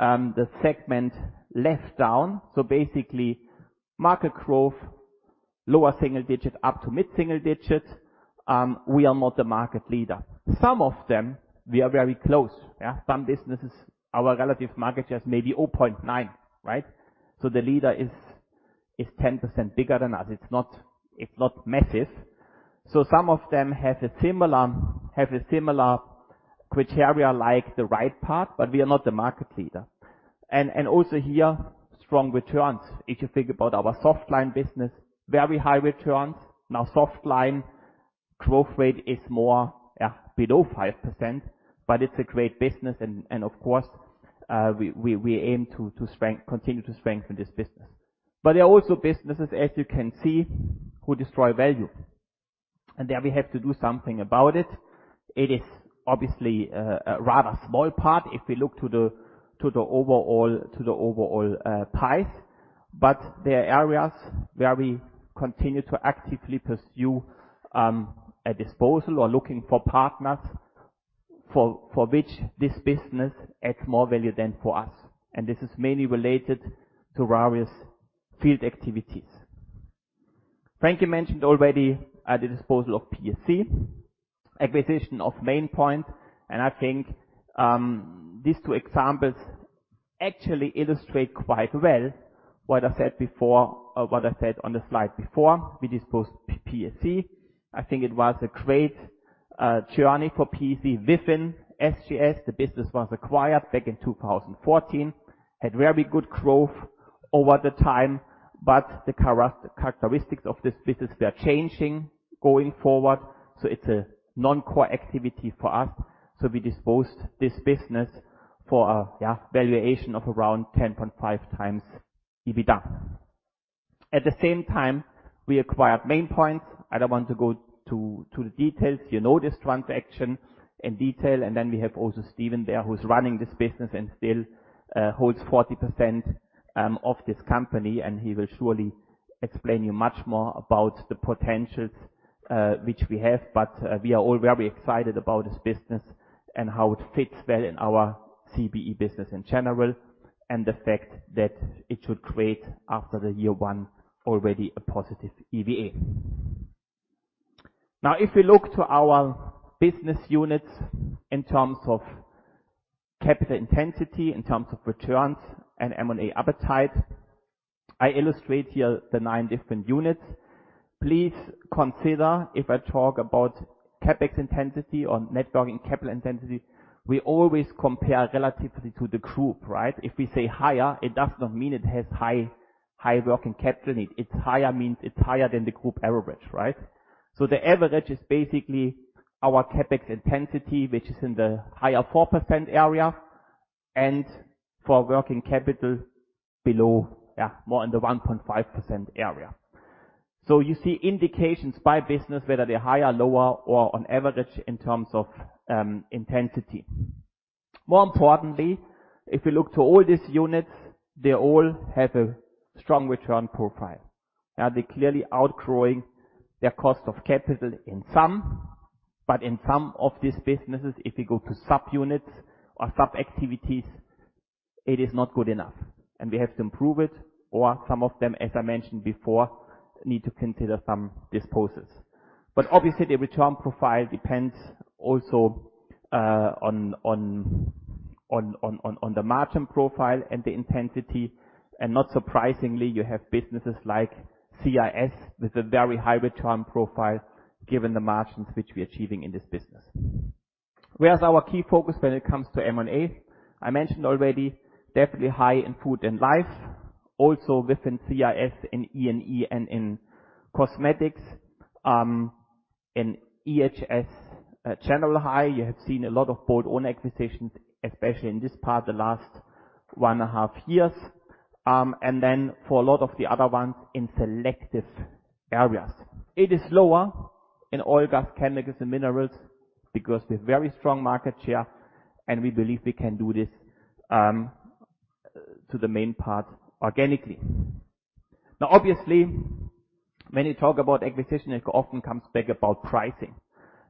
the segment left down. Basically market growth, lower single digit up to mid-single digit. We are not the market leader. Some of them, we are very close. Some businesses, our relative market share is maybe 0.9. The leader is 10% bigger than us. It's not massive. Some of them have a similar criteria like the right part, but we are not the market leader. Also here, strong returns. If you think about our Softline business, very high returns. Softline growth rate is more below 5%, it's a great business, and of course, we aim to continue to strengthen this business. There are also businesses, as you can see, who destroy value. There we have to do something about it. It is obviously a rather small part if we look to the overall pie, there are areas where we continue to actively pursue a disposal or looking for partners for which this business adds more value than for us. This is mainly related to various field activities. Frankie mentioned already the disposal of PSC, acquisition of Maine Pointe, I think these two examples actually illustrate quite well what I said on the slide before. We disposed PSC. I think it was a great journey for PSC within SGS. The business was acquired back in 2014, had very good growth over the time, but the characteristics of this business were changing going forward. It's a non-core activity for us, so we disposed this business for a valuation of around 10.5x EBITDA. At the same time, we acquired Maine Pointe. I don't want to go to the details. You know this transaction in detail, and then we have also Steven there, who's running this business and still holds 40% of this company, and he will surely explain you much more about the potentials which we have. We are all very excited about this business and how it fits well in our CBE business in general, and the fact that it should create after the year one already a positive EVA. If we look to our business units in terms of capital intensity, in terms of returns and M&A appetite, I illustrate here the nine different units. Please consider if I talk about CapEx intensity or net working capital intensity, we always compare relatively to the group, right? If we say higher, it does not mean it has high working capital need. It's higher means it's higher than the group average, right? The average is basically our CapEx intensity, which is in the higher 4% area, and for working capital below, more in the 1.5% area. You see indications by business, whether they're higher, lower, or on average in terms of intensity. More importantly, if you look to all these units, they all have a strong return profile. They're clearly outgrowing their cost of capital in some, but in some of these businesses, if we go to subunits or sub-activities, it is not good enough and we have to improve it, or some of them, as I mentioned before, need to consider some disposals. Obviously, the return profile depends also on the margin profile and the intensity, and not surprisingly, you have businesses like CRS with a very high return profile given the margins which we are achieving in this business. Where is our key focus when it comes to M&A? I mentioned already, definitely high in food and life. Also within CRS and E&E and in cosmetics, in EHS, general high. You have seen a lot of bolt-on acquisitions, especially in this part the last one and a half years. For a lot of the other ones in selective areas. It is lower in Oil, Gas, Chemicals, and minerals because we have very strong market share, and we believe we can do this to the main part organically. Obviously, when you talk about acquisition, it often comes back about pricing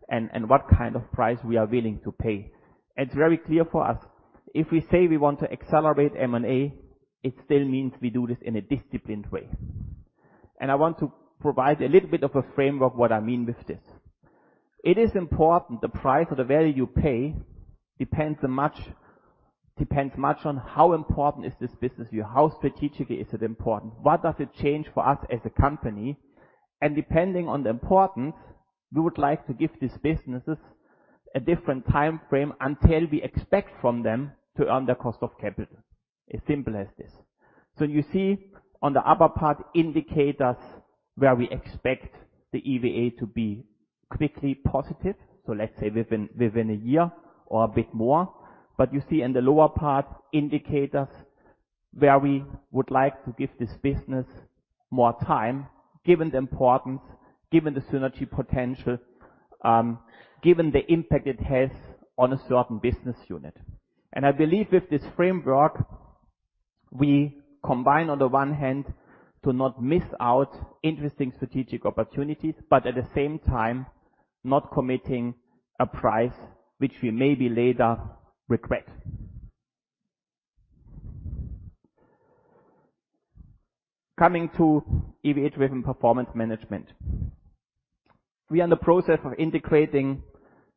and what kind of price we are willing to pay. It's very clear for us, if we say we want to accelerate M&A, it still means we do this in a disciplined way. I want to provide a little bit of a framework what I mean with this. It is important, the price or the value you pay depends much on how important is this business view, how strategically is it important, what does it change for us as a company? Depending on the importance, we would like to give these businesses a different time frame until we expect from them to earn their cost of capital. As simple as this. You see on the upper part indicate us where we expect the EVA to be quickly positive, let's say within a year or a bit more. You see in the lower part indicate us where we would like to give this business more time, given the importance, given the synergy potential, given the impact it has on a certain business unit. I believe with this framework, we combine on the one hand, to not miss out interesting strategic opportunities, but at the same time not committing a price which we maybe later regret. Coming to EVA-driven performance management. We are in the process of integrating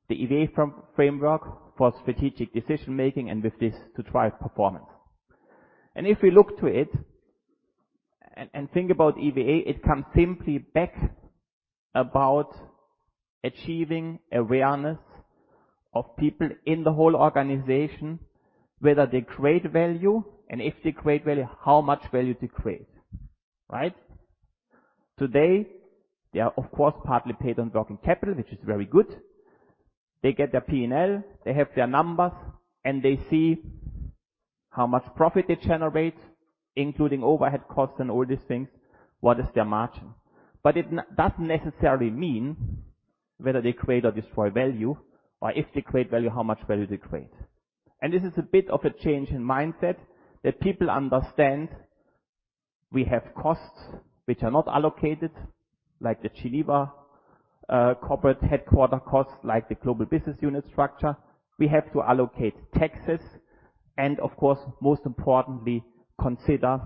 the EVA framework for strategic decision-making and with this to drive performance. If we look to it and think about EVA, it comes simply back about achieving awareness of people in the whole organization, whether they create value, and if they create value, how much value they create. Right? Today, they are of course, partly paid on working capital, which is very good. They get their P&L, they have their numbers, and they see how much profit they generate, including overhead costs and all these things, what is their margin. It doesn't necessarily mean whether they create or destroy value, or if they create value, how much value they create. This is a bit of a change in mindset that people understand we have costs which are not allocated, like the G&A corporate headquarter costs, like the global business unit structure. We have to allocate taxes, of course, most importantly, consider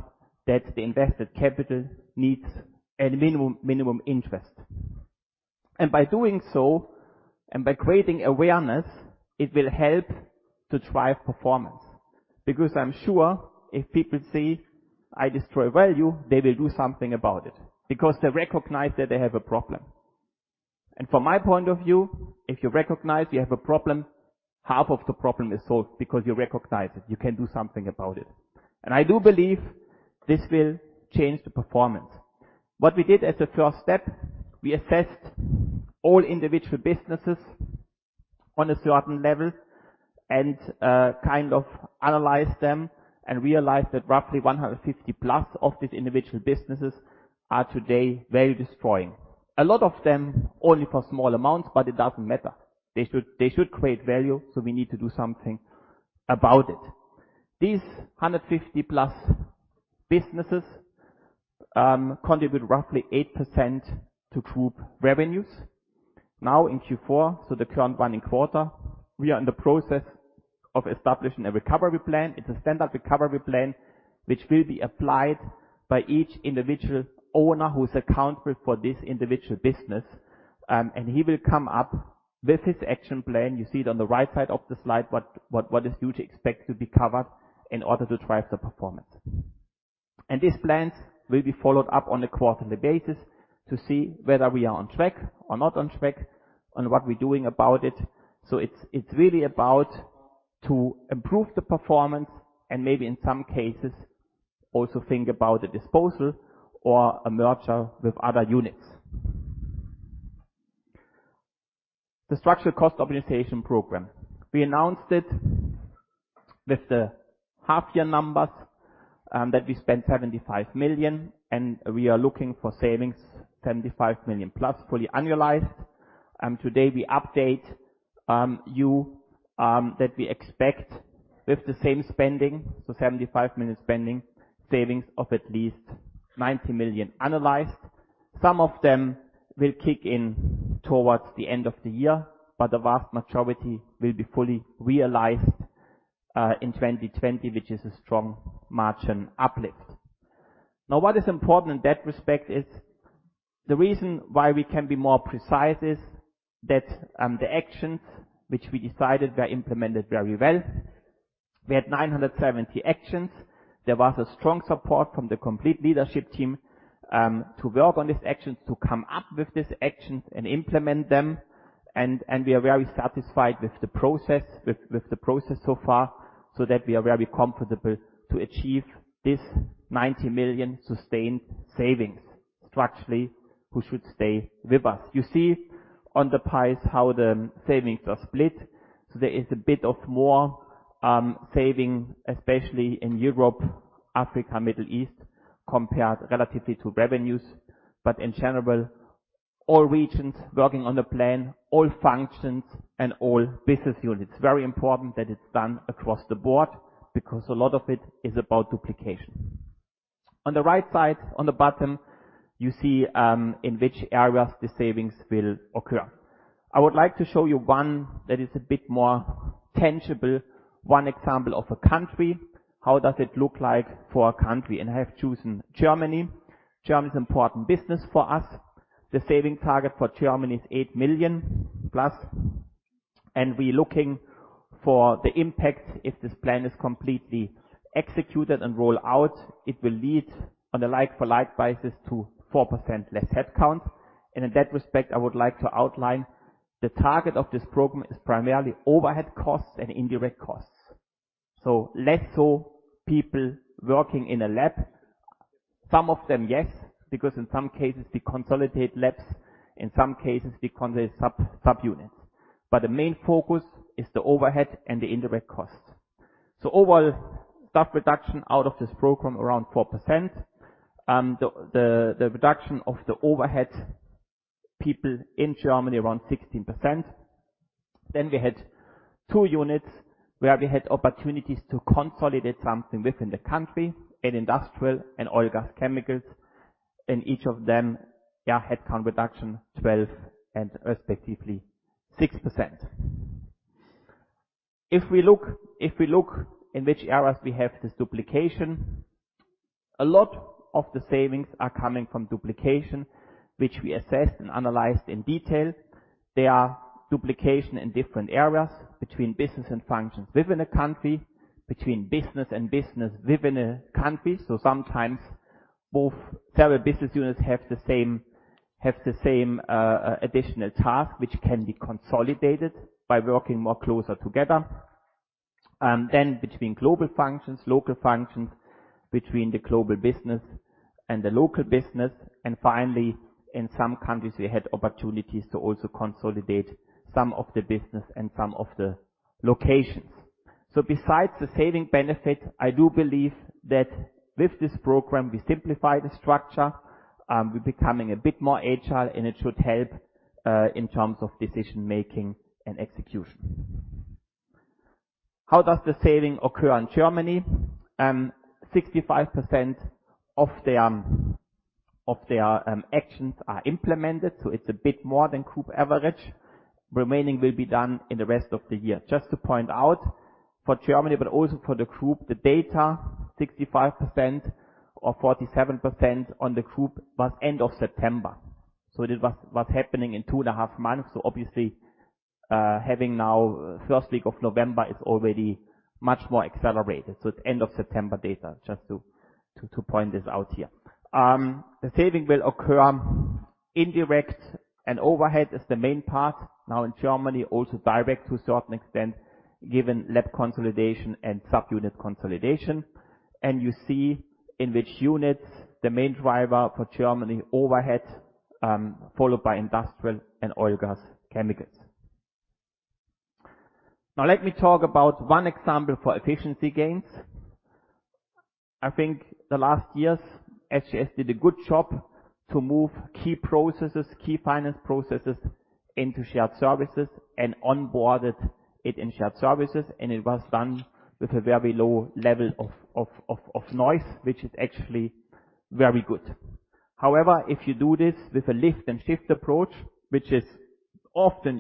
that the invested capital needs a minimum interest. By doing so, and by creating awareness, it will help to drive performance. I'm sure if people see I destroy value, they will do something about it because they recognize that they have a problem. From my point of view, if you recognize you have a problem, half of the problem is solved because you recognize it, you can do something about it. I do believe this will change the performance. What we did as a first step, we assessed all individual businesses on a certain level and kind of analyzed them and realized that roughly 150+ of these individual businesses are today value destroying. A lot of them only for small amounts, it doesn't matter. They should create value, so we need to do something about it. These 150+ businesses, contribute roughly 8% to group revenues. In Q4, so the current running quarter, we are in the process of establishing a recovery plan. It's a standard recovery plan which will be applied by each individual owner who's accountable for this individual business. He will come up with his action plan. You see it on the right side of the slide, what is due to expect to be covered in order to drive the performance. These plans will be followed up on a quarterly basis to see whether we are on track or not on track on what we're doing about it. It's really about to improve the performance and maybe in some cases, also think about a disposal or a merger with other units. The structural cost optimization program. We announced it with the half-year numbers, that we spent 75 million. We are looking for savings, 75 million plus, fully annualized. Today we update you that we expect with the same spending, 75 million spending, savings of at least 90 million annualized. Some of them will kick in towards the end of the year. The vast majority will be fully realized in 2020, which is a strong margin uplift. What is important in that respect is the reason why we can be more precise is that the actions which we decided were implemented very well. We had 970 actions. There was a strong support from the complete leadership team, to work on these actions, to come up with these actions and implement them. We are very satisfied with the process so far, so that we are very comfortable to achieve this 90 million sustained savings structurally, who should stay with us. You see on the pies how the savings are split. There is a bit of more saving, especially in Europe, Africa, Middle East, compared relatively to revenues. In general. All regions working on the plan, all functions, and all business units. Very important that it's done across the board because a lot of it is about duplication. On the right side, on the bottom, you see in which areas the savings will occur. I would like to show you one that is a bit more tangible, one example of a country. How does it look like for a country? I have chosen Germany. Germany is important business for us. The saving target for Germany is 8 million+. We're looking for the impact. If this plan is completely executed and roll out, it will lead on a like-for-like basis to 4% less headcount. In that respect, I would like to outline the target of this program is primarily overhead costs and indirect costs. Less so people working in a lab. Some of them, yes, because in some cases we consolidate labs. In some cases, we consolidate subunits. The main focus is the overhead and the indirect cost. Overall, staff reduction out of this program, around 4%. The reduction of the overhead people in Germany around 16%. We had two units where we had opportunities to consolidate something within the country, in industrial and oil, gas, chemicals. In each of them, yeah, headcount reduction 12% and respectively 6%. If we look in which areas we have this duplication, a lot of the savings are coming from duplication, which we assessed and analyzed in detail. They are duplication in different areas between business and functions within a country, between business and business within a country. Sometimes both several business units have the same additional task, which can be consolidated by working more closer together. Between global functions, local functions, between the global business and the local business. Finally, in some countries, we had opportunities to also consolidate some of the business and some of the locations. Besides the saving benefit, I do believe that with this program, we simplify the structure. We're becoming a bit more agile, and it should help, in terms of decision-making and execution. How does the saving occur in Germany? 65% of their actions are implemented, so it's a bit more than group average. Remaining will be done in the rest of the year. Just to point out, for Germany, but also for the group, the data, 65% or 47% on the group was end of September. This was happening in two and a half months. Obviously, having now first week of November is already much more accelerated. It's end of September data, just to point this out here. The saving will occur indirect and overhead is the main part now in Germany, also direct to a certain extent, given lab consolidation and subunit consolidation. You see in which units the main driver for Germany overhead, followed by industrial and oil, gas, chemicals. Now let me talk about one example for efficiency gains. I think the last years, SGS did a good job to move key processes, key finance processes into shared services and onboarded it in shared services, and it was done with a very low level of noise, which is actually very good. However, if you do this with a lift-and-shift approach, which is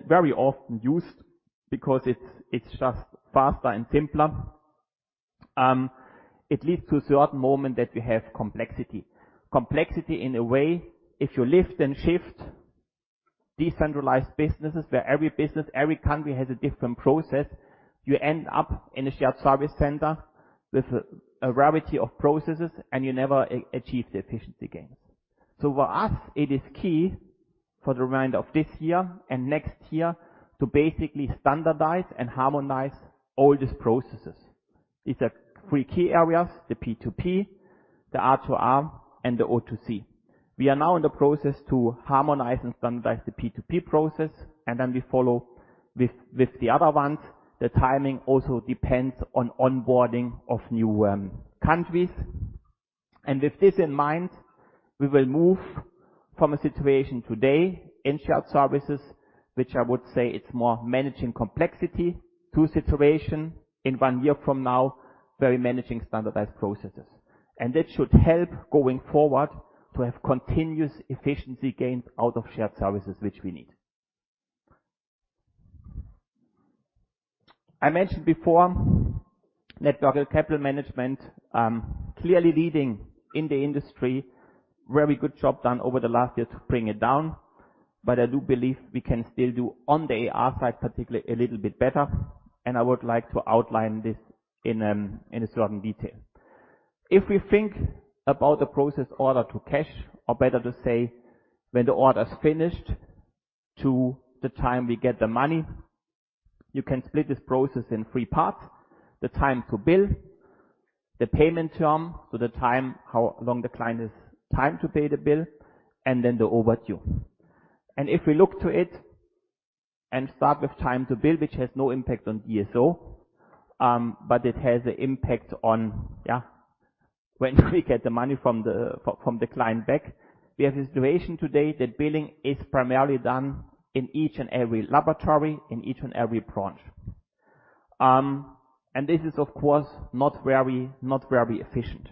very often used because it's just faster and simpler, it leads to a certain moment that you have complexity. Complexity in a way, if you lift and shift decentralized businesses where every business, every country has a different process, you end up in a shared service center with a variety of processes, and you never achieve the efficiency gains. For us, it is key for the remainder of this year and next year to basically standardize and harmonize all these processes. These are three key areas, the P2P, the R2R, and the O2C. We are now in the process to harmonize and standardize the P2P process, and then we follow with the other ones. The timing also depends on onboarding of new countries. With this in mind, we will move from a situation today in shared services, which I would say it's more managing complexity, to a situation in one year from now, very managing standardized processes. That should help going forward to have continuous efficiency gains out of shared services, which we need. I mentioned before net working capital management, clearly leading in the industry, very good job done over the last year to bring it down. I do believe we can still do on the AR side, particularly a little bit better, and I would like to outline this in a certain detail. If we think about the process order to cash, or better to say when the order is finished to the time we get the money, you can split this process in three parts: the time to bill, the payment term, so the time how long the client has time to pay the bill, and then the overdue. If we look to it and start with time to bill, which has no impact on DSO, but it has an impact on when we get the money from the client back. We have a situation today that billing is primarily done in each and every laboratory, in each and every branch. This is, of course, not very efficient.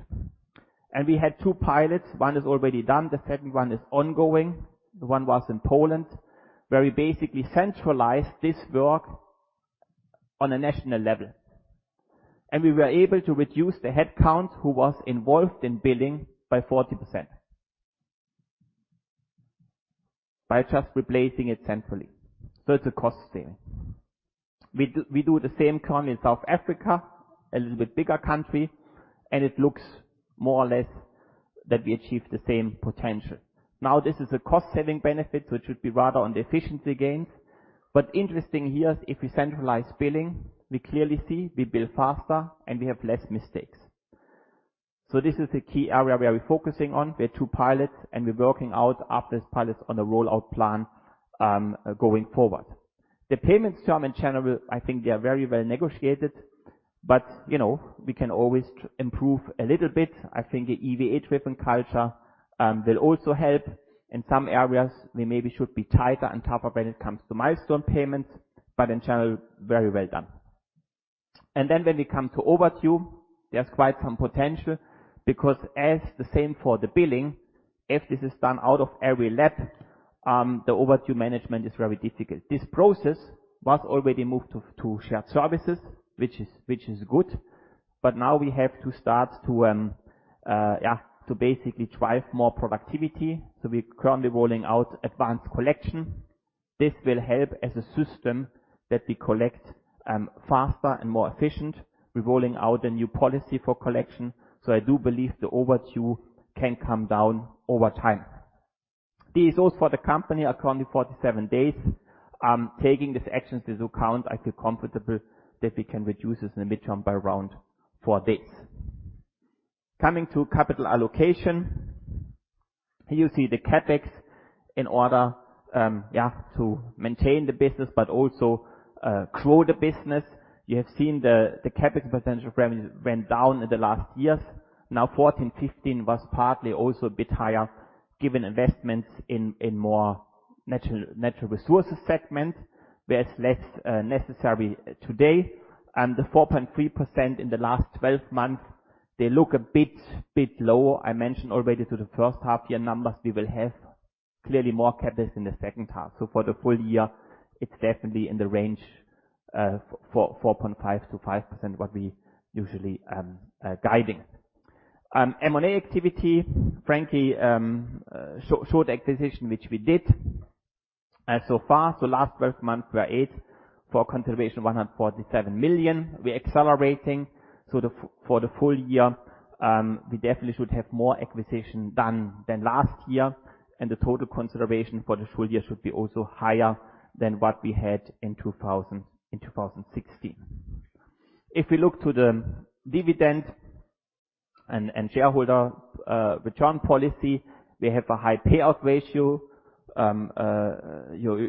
We had two pilots. One is already done, the second one is ongoing. One was in Poland, where we basically centralized this work on a national level. We were able to reduce the headcount who was involved in billing by 40%, by just replacing it centrally. It's a cost saving. We do the same currently in South Africa, a little bit bigger country, and it looks more or less that we achieve the same potential. Now, this is a cost-saving benefit, so it should be rather on the efficiency gains. Interesting here, if we centralize billing, we clearly see we bill faster and we have less mistakes. This is a key area where we're focusing on. We have two pilots, and we're working out after the pilots on a rollout plan, going forward. The payments term in general, I think they are very well negotiated, but we can always improve a little bit. I think the EVA driven culture will also help. In some areas, we maybe should be tighter on top of when it comes to milestone payments, but in general, very well done. When we come to overdue, there's quite some potential because as the same for the billing, if this is done out of every lab, the overdue management is very difficult. This process was already moved to shared services, which is good, but now we have to start to basically drive more productivity. We're currently rolling out advanced collection. This will help as a system that we collect faster and more efficient. We're rolling out a new policy for collection. I do believe the overdue can come down over time. DSOs for the company are currently 47 days. Taking these actions into account, I feel comfortable that we can reduce this in the midterm by around four days. Coming to capital allocation. Here you see the CapEx in order to maintain the business, but also grow the business. You have seen the capital potential revenue went down in the last years. 2014, 2015 was partly also a bit higher given investments in more natural resources segment, where it's less necessary today. The 4.3% in the last 12 months, they look a bit low. I mentioned already to the first half year numbers, we will have clearly more CapEx in the second half. For the full-year, it's definitely in the range, 4.5%-5% what we usually am guiding. M&A activity, Frankie showed acquisition, which we did so far. Last 12 months were eight for consideration, 147 million. We're accelerating. For the full-year, we definitely should have more acquisition done than last year, the total consideration for the full-year should be also higher than what we had in 2016. If we look to the dividend and shareholder return policy, we have a high payout ratio. You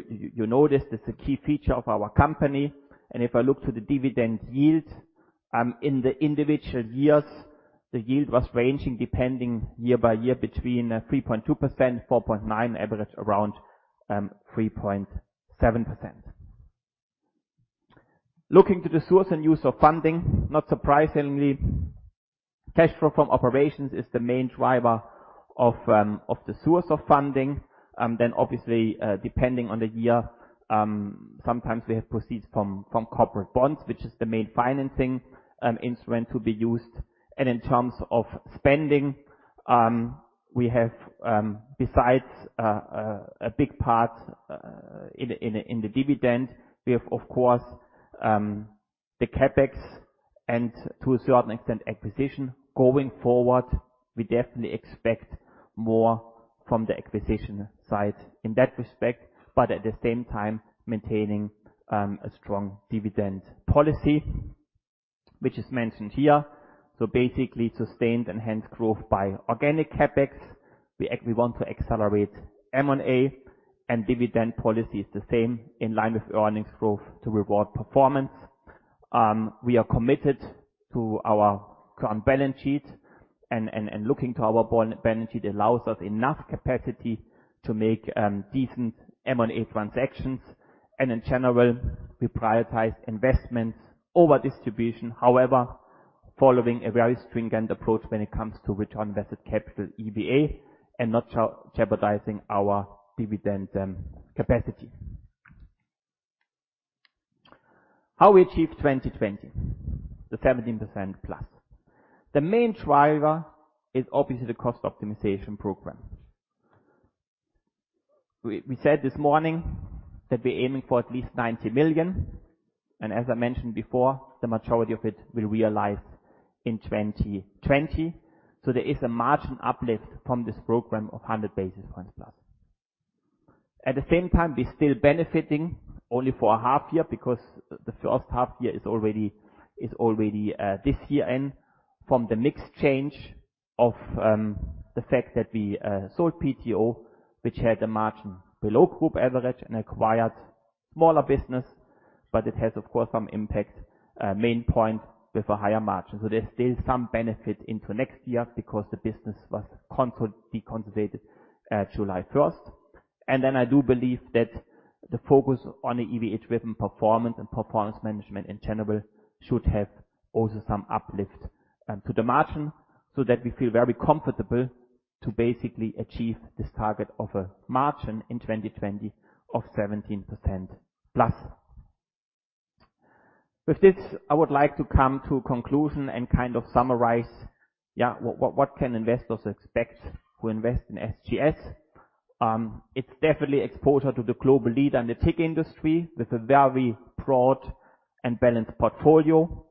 notice it's a key feature of our company. If I look to the dividend yield, in the individual years, the yield was ranging depending year by year between 3.2%, 4.9%, average around 3.7%. Looking to the source and use of funding, not surprisingly, cash flow from operations is the main driver of the source of funding. Obviously, depending on the year, sometimes we have proceeds from corporate bonds, which is the main financing instrument to be used. In terms of spending, we have, besides a big part in the dividend, we have, of course, the CapEx and to a certain extent, acquisition. Going forward, we definitely expect more from the acquisition side in that respect, but at the same time, maintaining a strong dividend policy, which is mentioned here. Basically, sustained enhanced growth by organic CapEx. We want to accelerate M&A and dividend policy is the same, in line with earnings growth to reward performance. We are committed to our current balance sheet, and looking to our balance sheet allows us enough capacity to make decent M&A transactions. In general, we prioritize investments over distribution. However, following a very stringent approach when it comes to return invested capital EVA and not jeopardizing our dividend capacity. How we achieve 2020, the 17%+. The main driver is obviously the cost optimization program. We said this morning that we're aiming for at least 90 million. As I mentioned before, the majority of it will realize in 2020. There is a margin uplift from this program of 100 basis points plus. At the same time, we're still benefiting only for a half year because the first half year is already this year end. From the mix change of the fact that we sold PSC, which had a margin below group average and acquired smaller business, but it has, of course, some impact, Maine Pointe with a higher margin. There's still some benefit into next year because the business was deconsolidated July 1st. I do believe that the focus on the EHS performance and performance management in general should have also some uplift to the margin, so that we feel very comfortable to basically achieve this target of a margin in 2020 of 17%+. With this, I would like to come to a conclusion and kind of summarize, what can investors expect who invest in SGS? It's definitely exposure to the global leader in the tech industry with a very broad and balanced portfolio,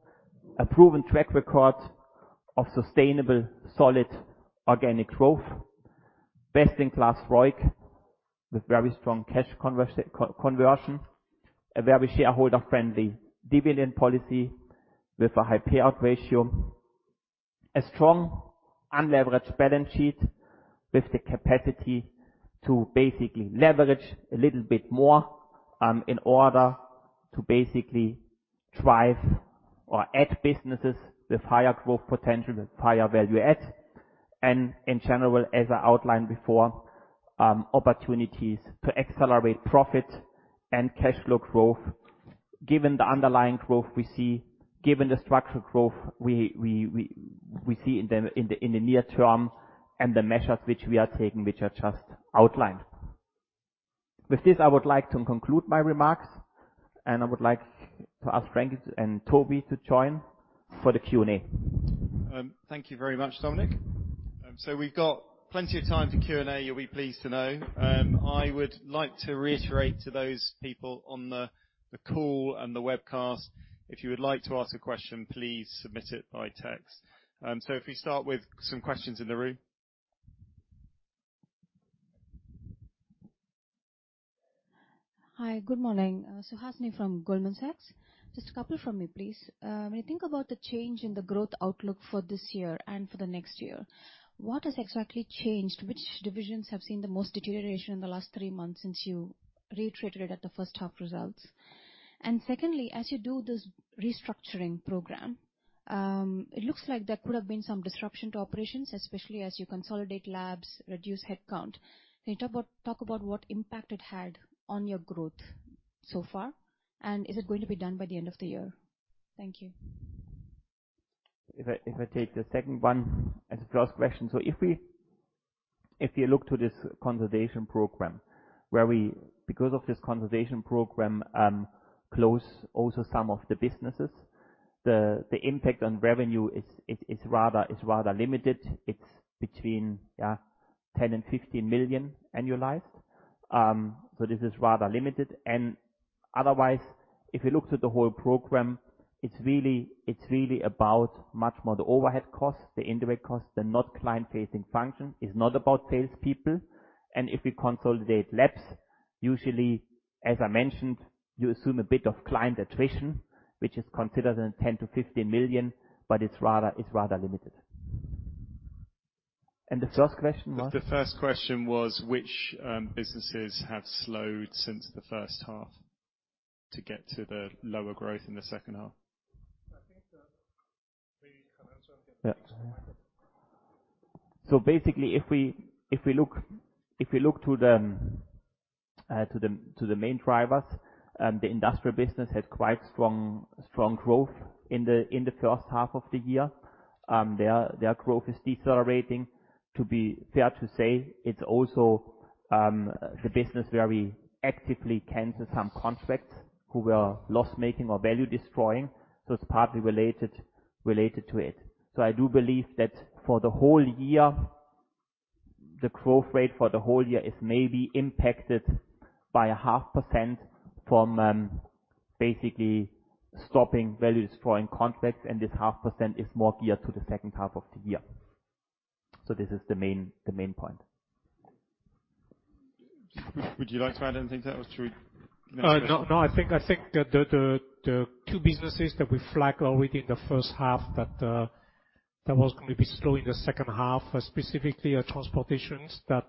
a proven track record of sustainable, solid, organic growth, best in class ROIC with very strong cash conversion, a very shareholder-friendly dividend policy with a high payout ratio, a strong unleveraged balance sheet with the capacity to basically leverage a little bit more, in order to basically drive or add businesses with higher growth potential, with higher value add, and in general, as I outlined before, opportunities to accelerate profit and cash flow growth, given the underlying growth we see, given the structural growth we see in the near term, and the measures which we are taking, which I just outlined. With this, I would like to conclude my remarks, and I would like to ask Frankie Ng and Toby to join for the Q&A. Thank you very much, Dominik. We've got plenty of time for Q&A, you'll be pleased to know. I would like to reiterate to those people on the call and the webcast, if you would like to ask a question, please submit it by text. If we start with some questions in the room. Hi, good morning. Suhasini from Goldman Sachs. Just a couple from me, please. When you think about the change in the growth outlook for this year and for the next year, what has exactly changed? Which divisions have seen the most deterioration in the last three months since you reiterated it at the first half results? Secondly, as you do this restructuring program, it looks like there could have been some disruption to operations, especially as you consolidate labs, reduce headcount. Can you talk about what impact it had on your growth so far, and is it going to be done by the end of the year? Thank you. If I take the second one as the first question. If you look to this consolidation program, where we, because of this consolidation program, close also some of the businesses, the impact on revenue is rather limited. It's between 10 million and 15 million annualized. This is rather limited, and otherwise, if you look to the whole program, it's really about much more the overhead costs, the indirect costs, the not client-facing function. It's not about salespeople. If we consolidate labs, usually, as I mentioned, you assume a bit of client attrition, which is considered in 10 million-15 million, but it's rather limited. The first question was? The first question was which businesses have slowed since the first half to get to the lower growth in the second half? I think that we can answer in next slide. If we look to the main drivers, the industrial business had quite strong growth in the first half of the year. Their growth is decelerating. To be fair to say, it's also the business where we actively cancel some contracts who were loss-making or value destroying. It's partly related to it. I do believe that for the whole year, the growth rate for the whole year is maybe impacted by 0.5% from basically stopping value destroying contracts, and this 0.5% is more geared to the second half of the year. This is the main point. Would you like to add anything to that or Next question? I think the two businesses that we flag already in the first half that was going to be slow in the second half, specifically transportations, that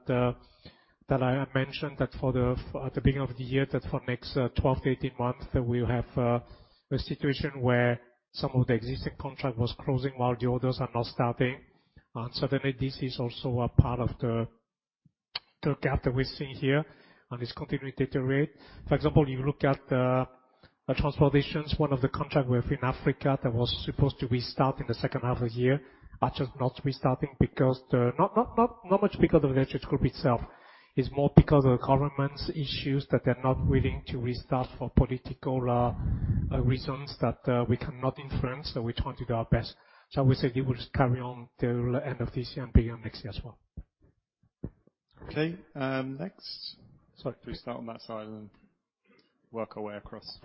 I mentioned at the beginning of the year that for next 12-18 months, we'll have a situation where some of the existing contract was closing while the others are now starting. Certainly, this is also a part of the gap that we're seeing here, and it's continuing to deteriorate. For example, you look at the transportations, one of the contract within Africa that was supposed to restart in the second half of the year, are just not restarting, not much because of the elections itself. It's more because of the government's issues, that they're not willing to restart for political reasons that we cannot influence, so we're trying to do our best. Obviously, we will carry on till end of this year and begin next year as well. Okay. Next. Sorry, can we start on that side and work our way across.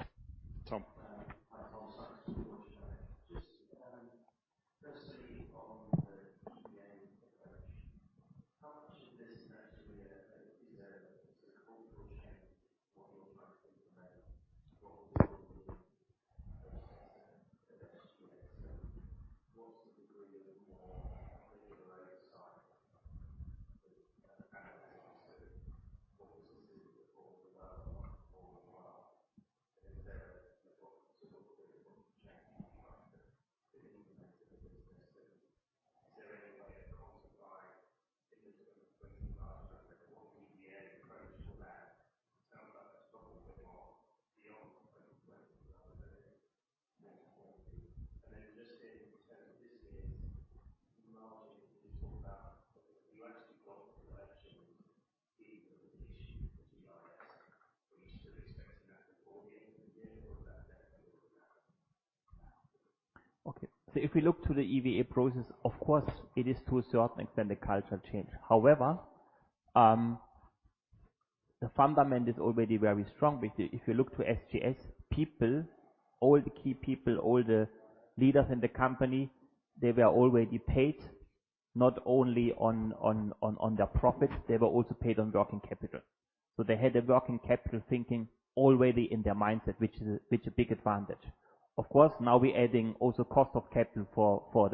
Of course, now we're adding also cost of capital for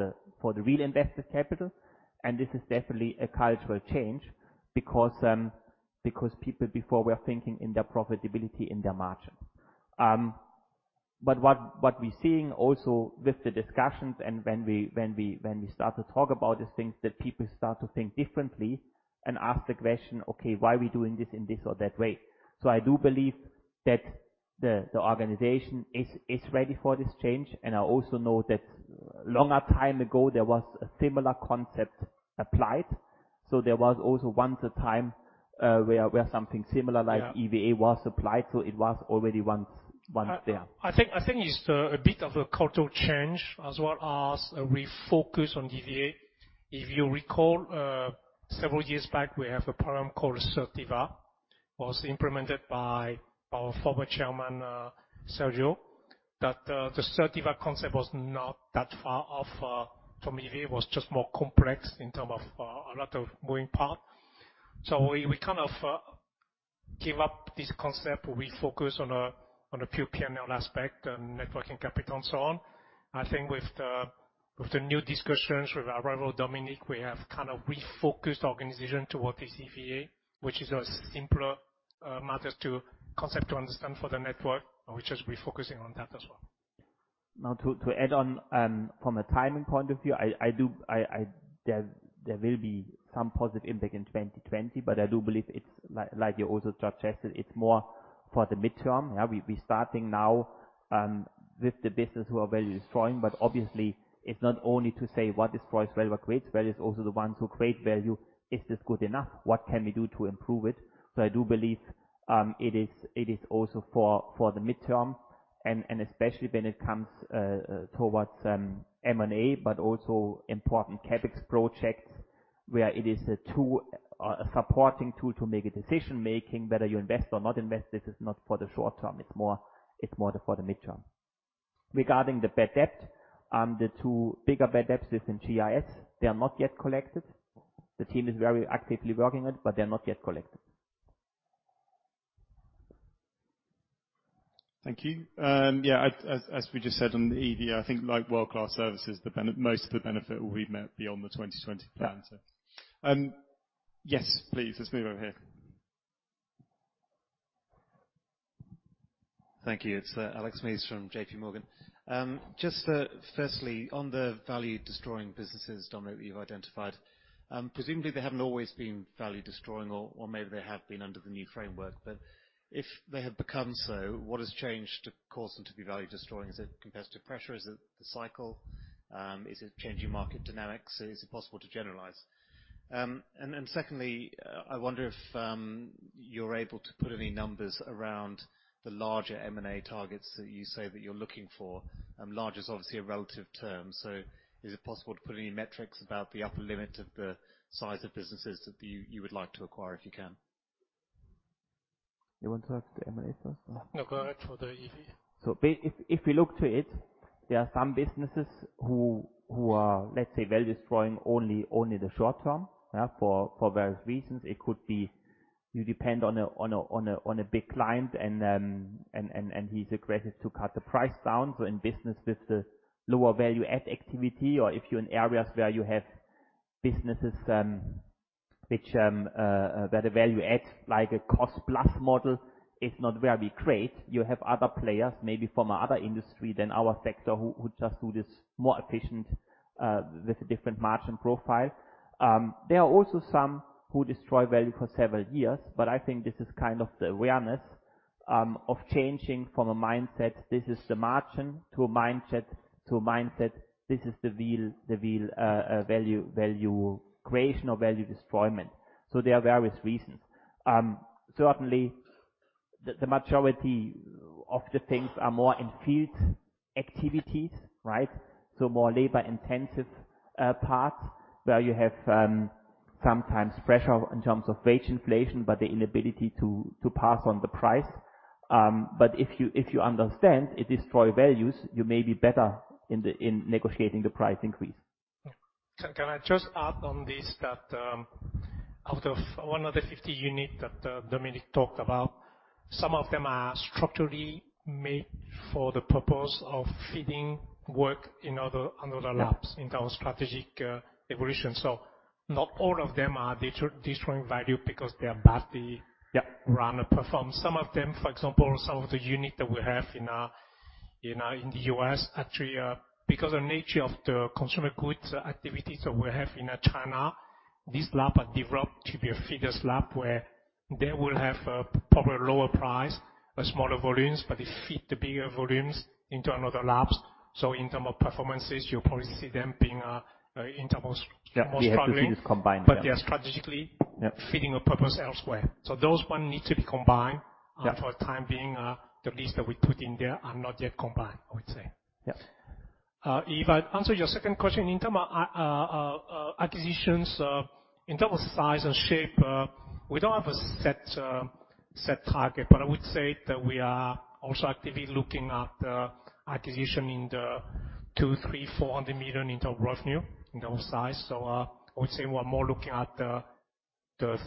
the real invested capital, and this is definitely a cultural change because people before were thinking in their profitability, in their margin. What we're seeing also with the discussions and when we start to talk about these things, that people start to think differently and ask the question, "Okay, why are we doing this in this or that way?" I do believe that the organization is ready for this change. I also know that longer time ago, there was a similar concept applied. There was also once a time, where something similar like EVA was applied, so it was already once there. I think it's a bit of a cultural change as well as a refocus on EVA. If you recall, several years back, we have a program called Certiva, was implemented by our former chairman, Sergio, that the Certiva concept was not that far off from EVA. It was just more complex in terms of a lot of moving parts. We kind of gave up this concept. We focus on a pure P&L aspect, net working capital, and so on. I think with the new discussions, with the arrival of Dominik, we have kind of refocused the organization towards this EVA, which is a simpler concept to understand for the network, and we're just refocusing on that as well. To add on, from a timing point of view, there will be some positive impact in 2020, I do believe it's like you also just said, it's more for the midterm. We're starting now, with the business who are value destroying, obviously it's not only to say what destroys value or creates value, it's also the ones who create value. Is this good enough? What can we do to improve it? I do believe it is also for the midterm and especially when it comes towards M&A, also important CapEx projects where it is a supporting tool to make a decision-making whether you invest or not invest. This is not for the short term, it's more for the midterm. Regarding the bad debt, the two bigger bad debts within GIS, they are not yet collected. The team is very actively working it, but they're not yet collected. Thank you. Yeah, as we just said on the EVA, I think like world-class services, most of the benefit will be met beyond the 2020 plan. Yes, please. Let's move over here. Thank you. It's Alexander Mees from JPMorgan. Firstly, on the value destroying businesses, Dominik, that you've identified, presumably they haven't always been value destroying or maybe they have been under the new framework, if they have become so, what has changed to cause them to be value destroying? Is it competitive pressure? Is it the cycle? Is it changing market dynamics? Is it possible to generalize? Secondly, I wonder if you're able to put any numbers around the larger M&A targets that you say that you're looking for. Large is obviously a relative term, is it possible to put any metrics about the upper limit of the size of businesses that you would like to acquire, if you can? You want to talk to the M&A first? No, go ahead for the EVA. If we look to it, there are some businesses who are, let's say, value destroying only the short term, yeah, for various reasons. It could be you depend on a big client and he's aggressive to cut the price down. In business with the lower value add activity or if you're in areas where you have businesses, where the value add, like a cost-plus model is not very great. You have other players maybe from other industry than our sector who just do this more efficient, with a different margin profile. There are also some who destroy value for several years, but I think this is kind of the awareness of changing from a mindset, this is the margin, to a mindset, this is the real value creation or value destroyment. There are various reasons. Certainly, the majority of the things are more in field activities, right? More labor-intensive parts where you have sometimes pressure in terms of wage inflation, but the inability to pass on the price. If you understand it destroy values, you may be better in negotiating the price increase. Can I just add on this that out of 150 units that Dominik talked about, some of them are structurally made for the purpose of feeding work in other labs in our strategic evolution. Not all of them are destroying value because they are badly run or performed. Some of them, for example, some of the units that we have in the U.S., actually, because the nature of the consumer goods activities that we have in China, this lab has developed to be a feeder lab where they will have a probably lower price, a smaller volumes, but they fit the bigger volumes into another lab. In terms of performances, you probably see them being. Yes, we have to see this combined. They are strategically. Yep Fitting a purpose elsewhere. Those one need to be combined. Yep. For the time being, the list that we put in there are not yet combined, I would say. Yep. If I answer your second question, in terms of acquisitions, in terms of size and shape, we don't have a set target. I would say that we are also actively looking at the acquisition in the 200 million, 300 million, 400 million in terms of revenue, in terms of size. I would say we are more looking at the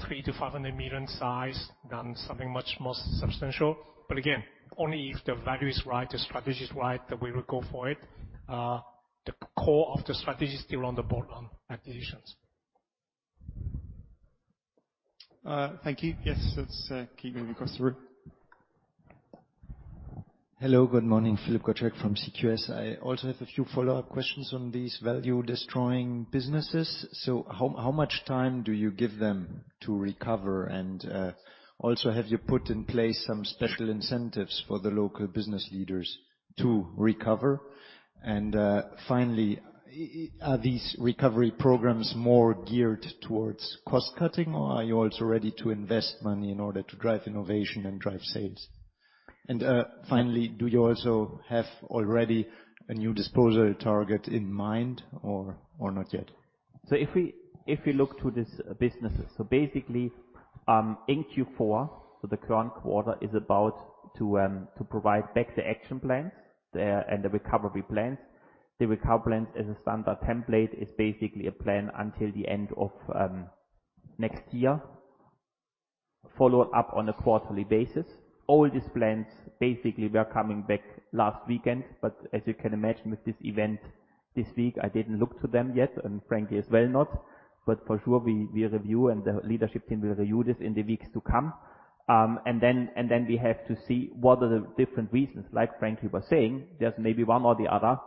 300 million to 500 million size than something much more substantial. Again, only if the value is right, the strategy is right, that we will go for it. The core of the strategy is still on bolt-on acquisitions. Thank you. Yes, let's keep moving us through. Hello, good morning. Philip Gottschalk from CQS. I also have a few follow-up questions on these value destroying businesses. How much time do you give them to recover? Also, have you put in place some special incentives for the local business leaders to recover? Finally, are these recovery programs more geared towards cost-cutting, or are you also ready to invest money in order to drive innovation and drive sales? Finally, do you also have already a new disposal target in mind or not yet? If we look to this business, basically, in Q4, the current quarter is about to provide back the action plans and the recovery plans. The recovery plans as a standard template is basically a plan until the end of next year, follow up on a quarterly basis. All these plans basically were coming back last weekend, but as you can imagine with this event this week, I didn't look to them yet, and Frankie as well not. For sure, we review and the leadership team will review this in the weeks to come. Then we have to see what are the different reasons, like Frankie was saying, there's maybe one or the other,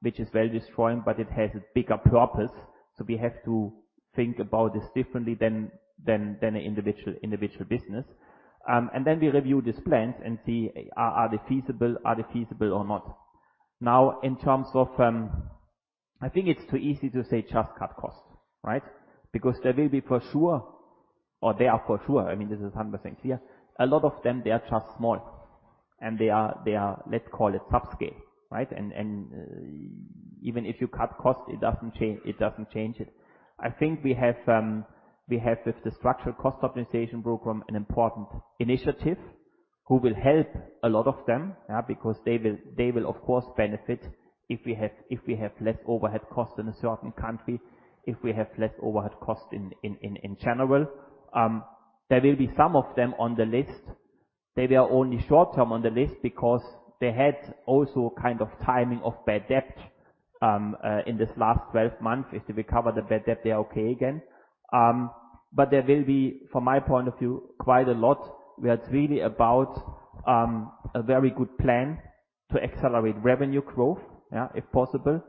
which is very destroying, but it has a bigger purpose. We have to think about this differently than individual business. We review these plans and see, are they feasible or not? In terms of I think it's too easy to say just cut costs, right? There will be for sure, or they are for sure, I mean, this is 100% clear. A lot of them, they are just small, and they are, let's call it subscale, right? Even if you cut cost, it doesn't change it. I think we have with the Structural Cost Optimization Program, an important initiative who will help a lot of them, yeah, because they will of course benefit if we have less overhead cost in a certain country, if we have less overhead cost in general. There will be some of them on the list. They were only short-term on the list because they had also kind of timing of bad debt, in this last 12 month. If they recover the bad debt, they're okay again. There will be, from my point of view, quite a lot where it's really about a very good plan to accelerate revenue growth, yeah, if possible.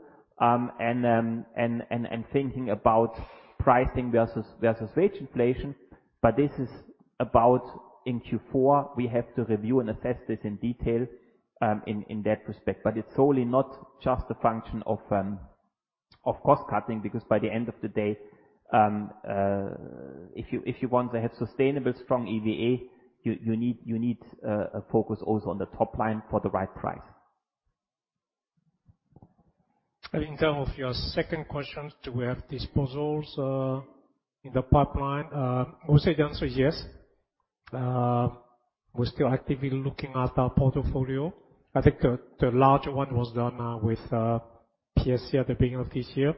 Thinking about pricing versus wage inflation. This is about in Q4, we have to review and assess this in detail, in that respect. It's solely not just a function of cost cutting because by the end of the day, if you want to have sustainable, strong EVA, you need a focus also on the top line for the right price. In term of your second question, do we have disposals in the pipeline? I would say the answer is yes. We're still actively looking at our portfolio. I think the larger one was done with PSC at the beginning of this year.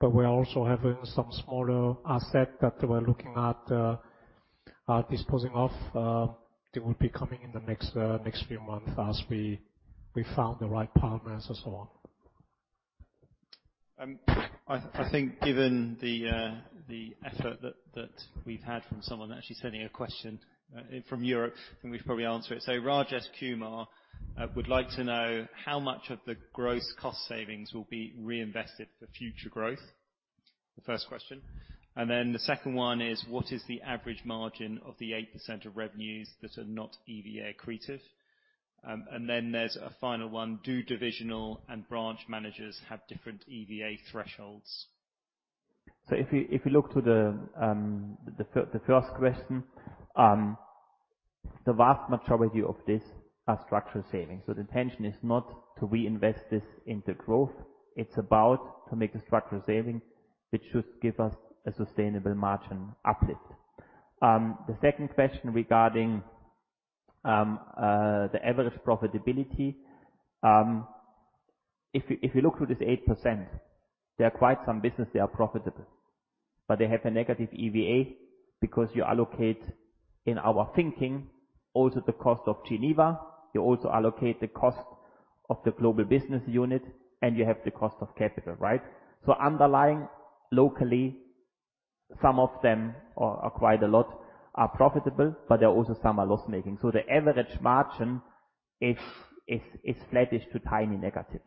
We're also having some smaller asset that we're looking at disposing of. They will be coming in the next few months as we found the right partners and so on. I think given the effort that we've had from someone actually sending a question from Europe, I think we should probably answer it. Rajesh Kumar would like to know how much of the gross cost savings will be reinvested for future growth? The first question. The second one is, what is the average margin of the 8% of revenues that are not EVA accretive? There's a final one. Do divisional and branch managers have different EVA thresholds? If you look to the first question, the vast majority of this are structural savings. The intention is not to reinvest this into growth. It's about to make a structural saving, which should give us a sustainable margin uplift. The second question regarding the average profitability. If you look through this 8%, there are quite some business that are profitable, but they have a negative EVA because you allocate, in our thinking, also the cost of Geneva, you also allocate the cost of the global business unit, and you have the cost of capital, right? Underlying locally, some of them or quite a lot are profitable, but there are also some are loss-making. The average margin is flattish to tiny negative.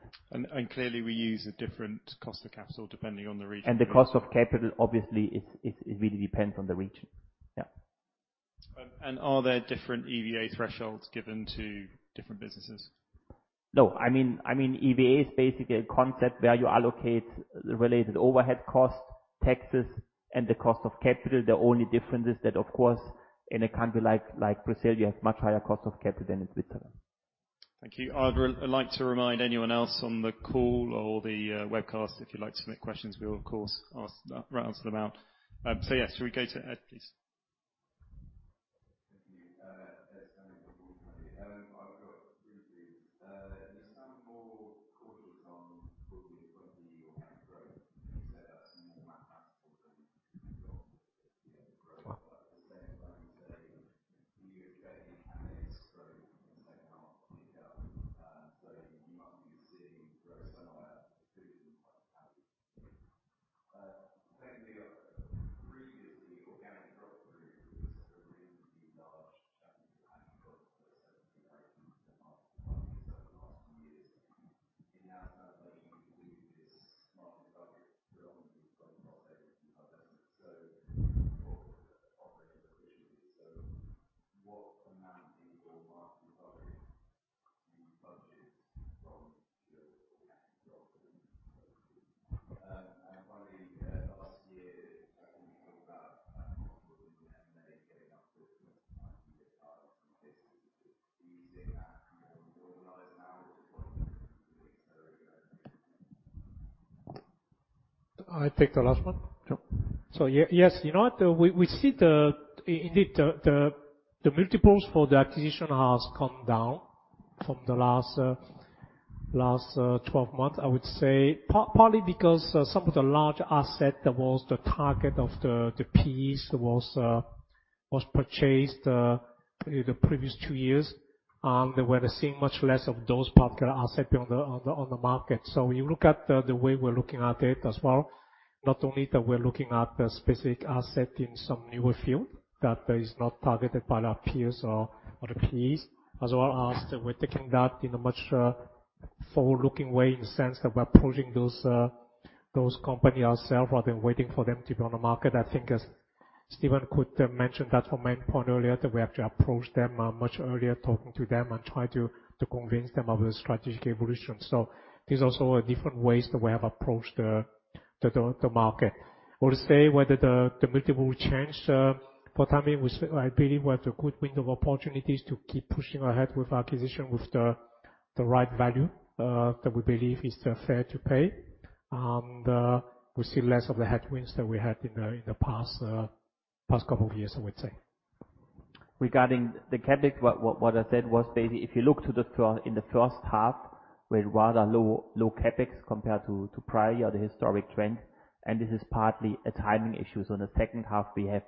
Clearly we use a different cost of capital depending on the region. The cost of capital, obviously, it really depends on the region. Yeah. Are there different EVA thresholds given to different businesses? No. EVA is basically a concept where you allocate the related overhead costs, taxes, and the cost of capital. The only difference is that, of course, in a country like Brazil, you have much higher cost of capital than in Switzerland. Thank you. I'd like to remind anyone else on the call or the webcast, if you'd like to submit questions, we'll of course answer them out. Yeah. Should we go to Ed, please? Thank you. Ed Stanley from Goldman. I've got three for you. You sound more cautious on probably organic growth. You said that's more impactful than I take the last one? Sure. Yes. You know what? We see indeed the multiples for the acquisition has come down from the last 12 months, I would say partly because some of the large asset that was the target of the peers was purchased the previous two years, and we're seeing much less of those particular asset on the market. You look at the way we're looking at it as well, not only that we're looking at the specific asset in some newer field that is not targeted by our peers or the peers, as well as we're taking that in a much forward-looking way in the sense that we're approaching those company ourselves rather than waiting for them to be on the market. I think as Steven could mention that from my point earlier, that we have to approach them much earlier, talking to them and try to convince them of the strategic evolution. There's also different ways that we have approached the market. To say whether the multiple will change, for time being, I believe we have the good window of opportunities to keep pushing ahead with acquisition with the right value, that we believe is fair to pay. We see less of the headwinds that we had in the past couple of years, I would say. Regarding the CapEx, what I said was basically if you look in the first half with rather low CapEx compared to prior the historic trend, and this is partly a timing issue. In the second half we have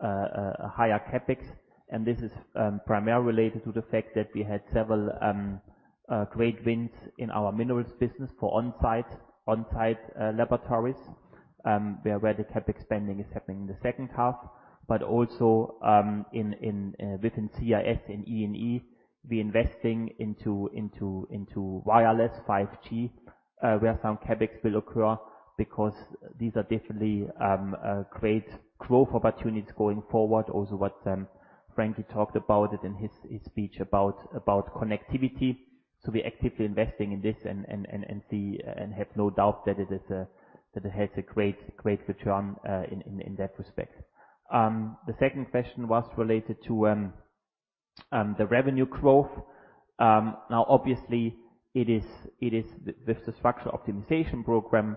a higher CapEx, and this is primarily related to the fact that we had several great wins in our minerals business for on-site laboratories, where the CapEx spending is happening in the second half. Also within CRS and E&E, we're investing into wireless 5G, where some CapEx will occur because these are definitely great growth opportunities going forward. What Frank talked about it in his speech about connectivity. We're actively investing in this and have no doubt that it has a great return, in that respect. The second question was related to the revenue growth. Obviously with the structural optimization program,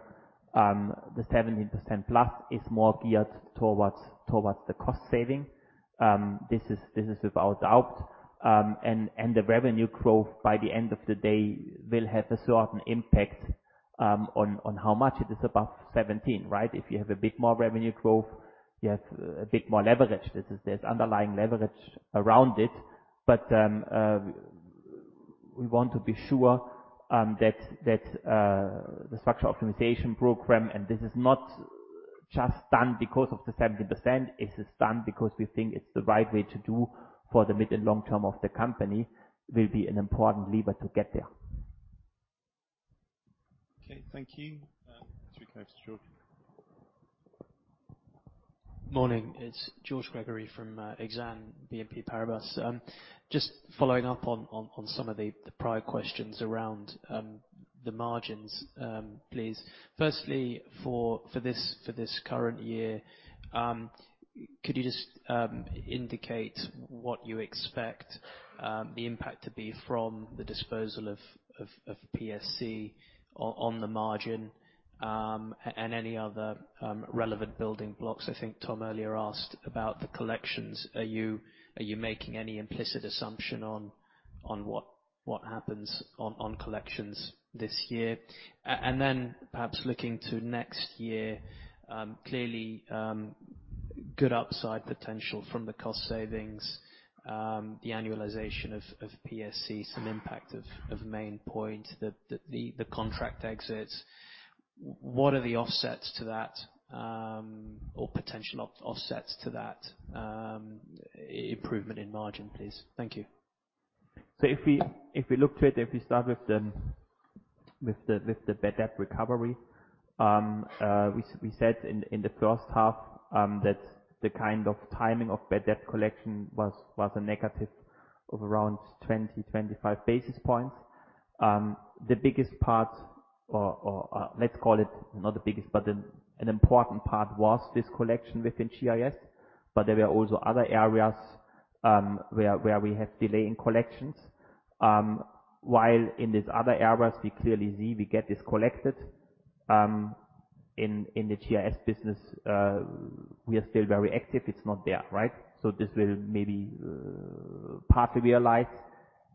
the 17%+ is more geared towards the cost saving. This is without doubt. The revenue growth by the end of the day will have a certain impact, on how much it is above 17%, right? If you have a bit more revenue growth, you have a bit more leverage. There's underlying leverage around it. We want to be sure that the structural optimization program, and this is not just done because of the 17%, this is done because we think it's the right way to do for the mid and long term of the company, will be an important lever to get there. Okay. Thank you. Let's go to George. Morning. It's George Gregory from Exane BNP Paribas. Just following up on some of the prior questions around the margins, please. Firstly, for this current year, could you just indicate what you expect the impact to be from the disposal of PSC on the margin, and any other relevant building blocks? I think Tom earlier asked about the collections. Are you making any implicit assumption on what happens on collections this year? Then perhaps looking to next year, clearly good upside potential from the cost savings, the annualization of PSC, some impact of Maine Pointe, the contract exits. What are the offsets to that, or potential offsets to that improvement in margin, please? Thank you. If we look to it, if we start with the bad debt recovery, we said in the first half that the kind of timing of bad debt collection was a negative of around 20, 25 basis points. The biggest part, or let's call it not the biggest, but an important part was this collection within GIS, but there were also other areas where we have delay in collections. While in these other areas, we clearly see we get this collected. In the GIS business, we are still very active. It's not there. This will maybe partly be a slight,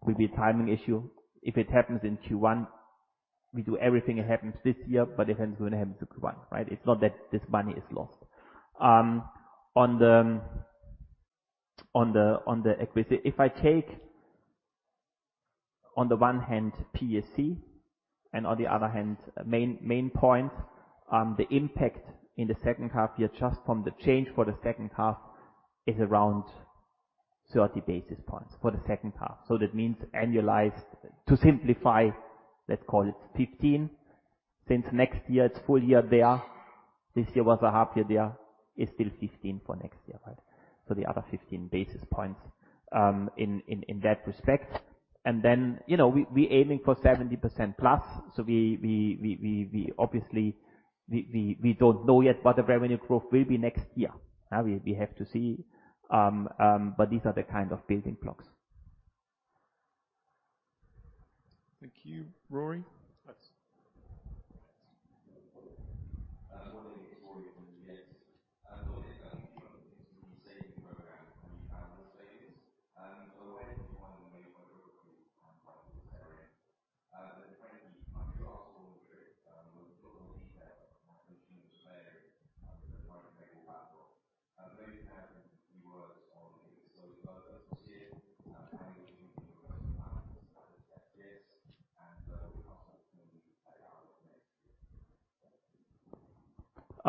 will be a timing issue. If it happens in Q1, we do everything it happens this year, but it's going to happen to Q1, right? It's not that this money is lost. On the equity, if I take on the one hand PSC, and on the other hand, Maine Pointe, the impact in the second half year just from the change for the second half is around 30 basis points for the second half. That means annualized, to simplify, let's call it 15, since next year it's full-year there. This year was a half year there. It's still 15 for next year. The other 15 basis points in that respect. We're aiming for 17%+, so we obviously don't know yet what the revenue growth will be next year. Now we have to see, these are the kind of building blocks. Thank you. Rory?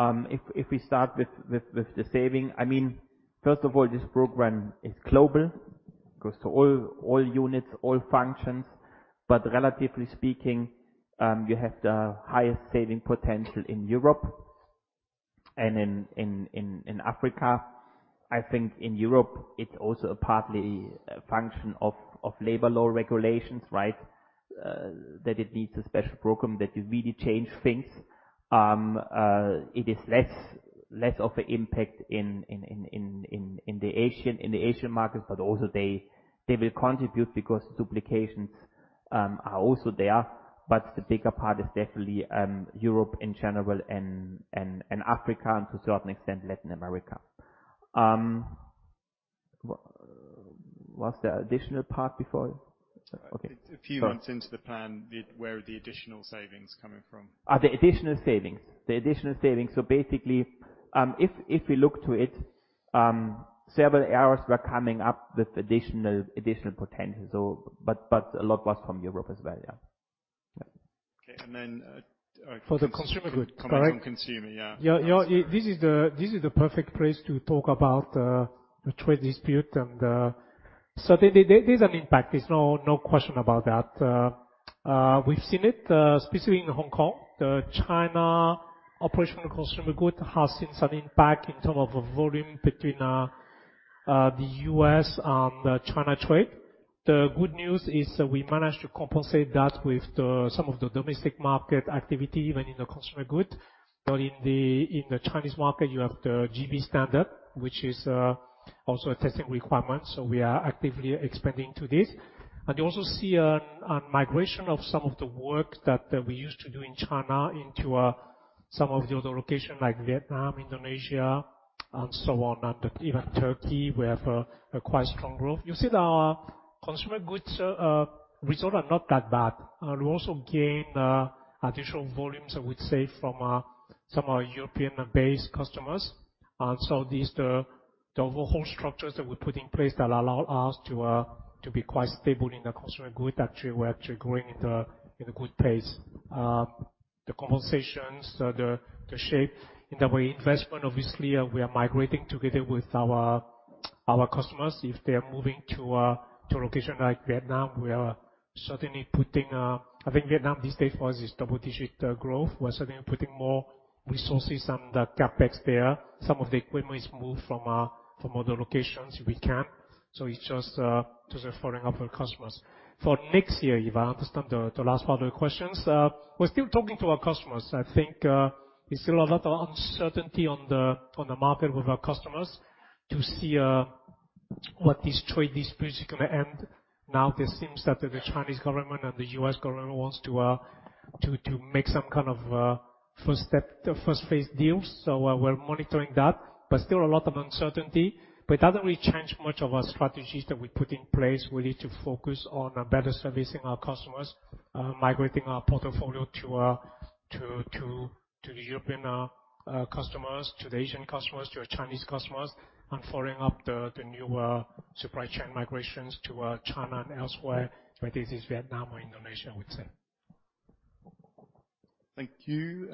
Rory from UBS. I was looking at the savings program and the new planned savings. I was wondering if you might be able to quickly run through the savings? Frankly, I think your last call was great with a lot more detail and I think things may have moved on since then or backed off. Maybe, a few words on the slow development this year. How you're looking at the momentum going into next year and we also need to play out what next year looks like. If we start with the saving. First of all, this program is global. It goes to all units, all functions. Relatively speaking, you have the highest saving potential in Europe and in Africa. I think in Europe it is also partly a function of labor law regulations. It needs a special program that will really change things. It is less of an impact in the Asian markets. Also they will contribute because duplications are also there, but the bigger part is definitely Europe in general and Africa, and to a certain extent, Latin America. Was there additional part before? Okay. A few months into the plan, where are the additional savings coming from? The additional savings. The additional savings, basically, if we look to it, several areas were coming up with additional potential, but a lot was from Europe as well, yeah. Okay. For the consumer good. Comment from consumer, yeah. Yeah. This is the perfect place to talk about the trade dispute. There's an impact. There's no question about that. We've seen it, specifically in Hong Kong. The China operational consumer good has seen some impact in term of volume between the U.S. and the China trade. The good news is we managed to compensate that with some of the domestic market activity, even in the consumer good. In the Chinese market, you have the GB standard, which is also a testing requirement, so we are actively expanding to this. You also see a migration of some of the work that we used to do in China into some of the other location like Vietnam, Indonesia, and so on, and even Turkey, we have a quite strong growth. You see the consumer goods result are not that bad. We also gain additional volumes, I would say, from some of our European-based customers. These are the overall structures that we put in place that allow us to be quite stable in the consumer goods. We're actually growing in a good pace. In the way investment, obviously, we are migrating together with our customers. If they're moving to a location like Vietnam, we are certainly putting. I think Vietnam this day for us is double-digit growth. We're certainly putting more resources and the CapEx there. Some of the equipment is moved from other locations, if we can. It's just following up with customers. For next year, if I understand the last part of the question, we're still talking to our customers. I think, there's still a lot of uncertainty on the market with our customers to see what this trade dispute is going to end. There seems that the Chinese government and the U.S. government wants to make some kind of first phase deals. We're monitoring that, but still a lot of uncertainty. It doesn't really change much of our strategies that we put in place. We need to focus on better servicing our customers, migrating our portfolio to the European customers, to the Asian customers, to our Chinese customers, and following up the newer supply chain migrations to China and elsewhere, whether this is Vietnam or Indonesia, I would say. Thank you,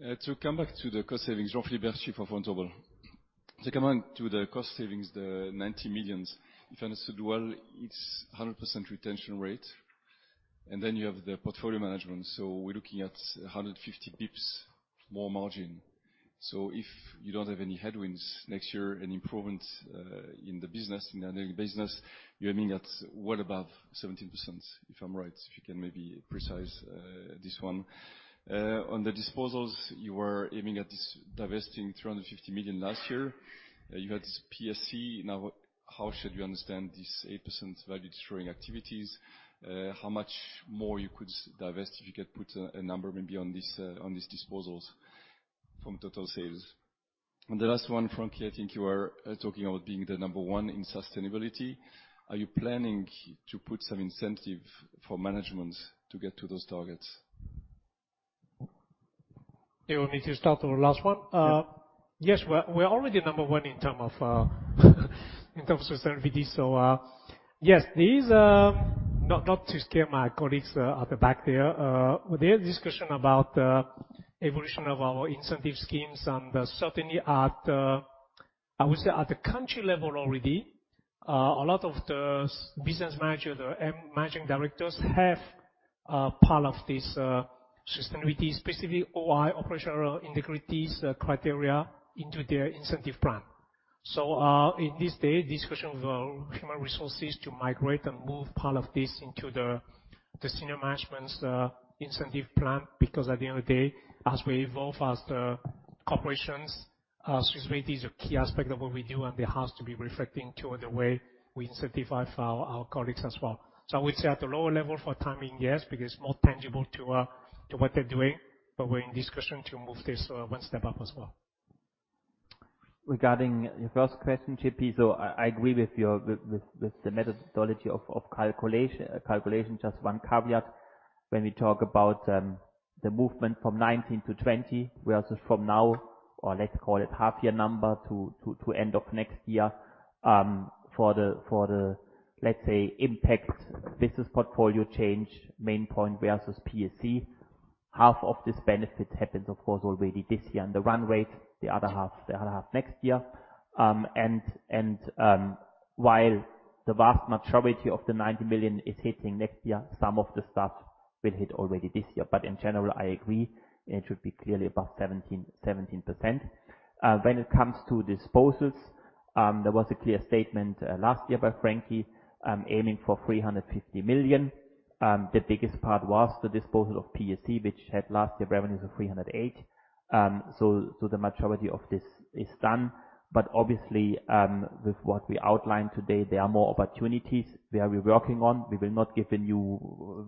JP To come back to the cost savings, Jean-Philippe Bertschy from Vontobel. To come back to the cost savings, the 90 million, if I understood well, it's 100% retention rate, and then you have the portfolio management, so we're looking at 150 basis points more margin. If you don't have any headwinds next year, an improvement in the business, in the annual business, you're aiming at well above 17%, if I'm right, if you can maybe precise this one. On the disposals, you were aiming at divesting 350 million last year. You had this PSC. Now, how should we understand this 8% value-destroying activities? How much more you could divest, if you could put a number maybe on these disposals from total sales. The last one, Frankie, I think you were talking about being the number one in sustainability. Are you planning to put some incentive for management to get to those targets? You want me to start the last one? Yes. Yes. We're already number one in terms of sustainability. Yes, not to scare my colleagues at the back there. With their discussion about the evolution of our incentive schemes, and certainly at, I would say at the country level already, a lot of the business manager, the managing directors have part of this sustainability, specifically OI, operational integrity criteria into their incentive plan. In this day, discussion of human resources to migrate and move part of this into the senior management's incentive plan because at the end of the day, as we evolve as the corporations, sustainability is a key aspect of what we do and it has to be reflecting toward the way we incentivize our colleagues as well. I would say at the lower level for time being, yes, because it's more tangible to what they're doing, but we're in discussion to move this one step up as well. Regarding your first question, JP, I agree with the methodology of calculation. Just one caveat. When we talk about the movement from 2019 to 2020, we are from now, or let's call it half-year number to end of next year, for the, let's say, impact business portfolio change, Maine Pointe versus PSC, half of this benefit happens, of course, already this year and the run rate, the other half next year. While the vast majority of the 90 million is hitting next year, some of the stuff will hit already this year. In general, I agree it should be clearly above 17%. When it comes to disposals, there was a clear statement last year by Frankie aiming for 350 million. The biggest part was the disposal of PSC, which had last year revenues of 308 million. The majority of this is done. Obviously, with what we outlined today, there are more opportunities where we're working on. We will not give a new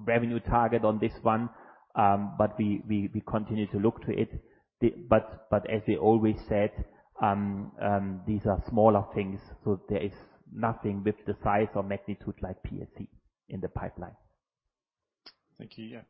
revenue target on this one, but we continue to look to it. As we always said, these are smaller things, so there is nothing with the size or magnitude like PSC in the pipeline. Thank you.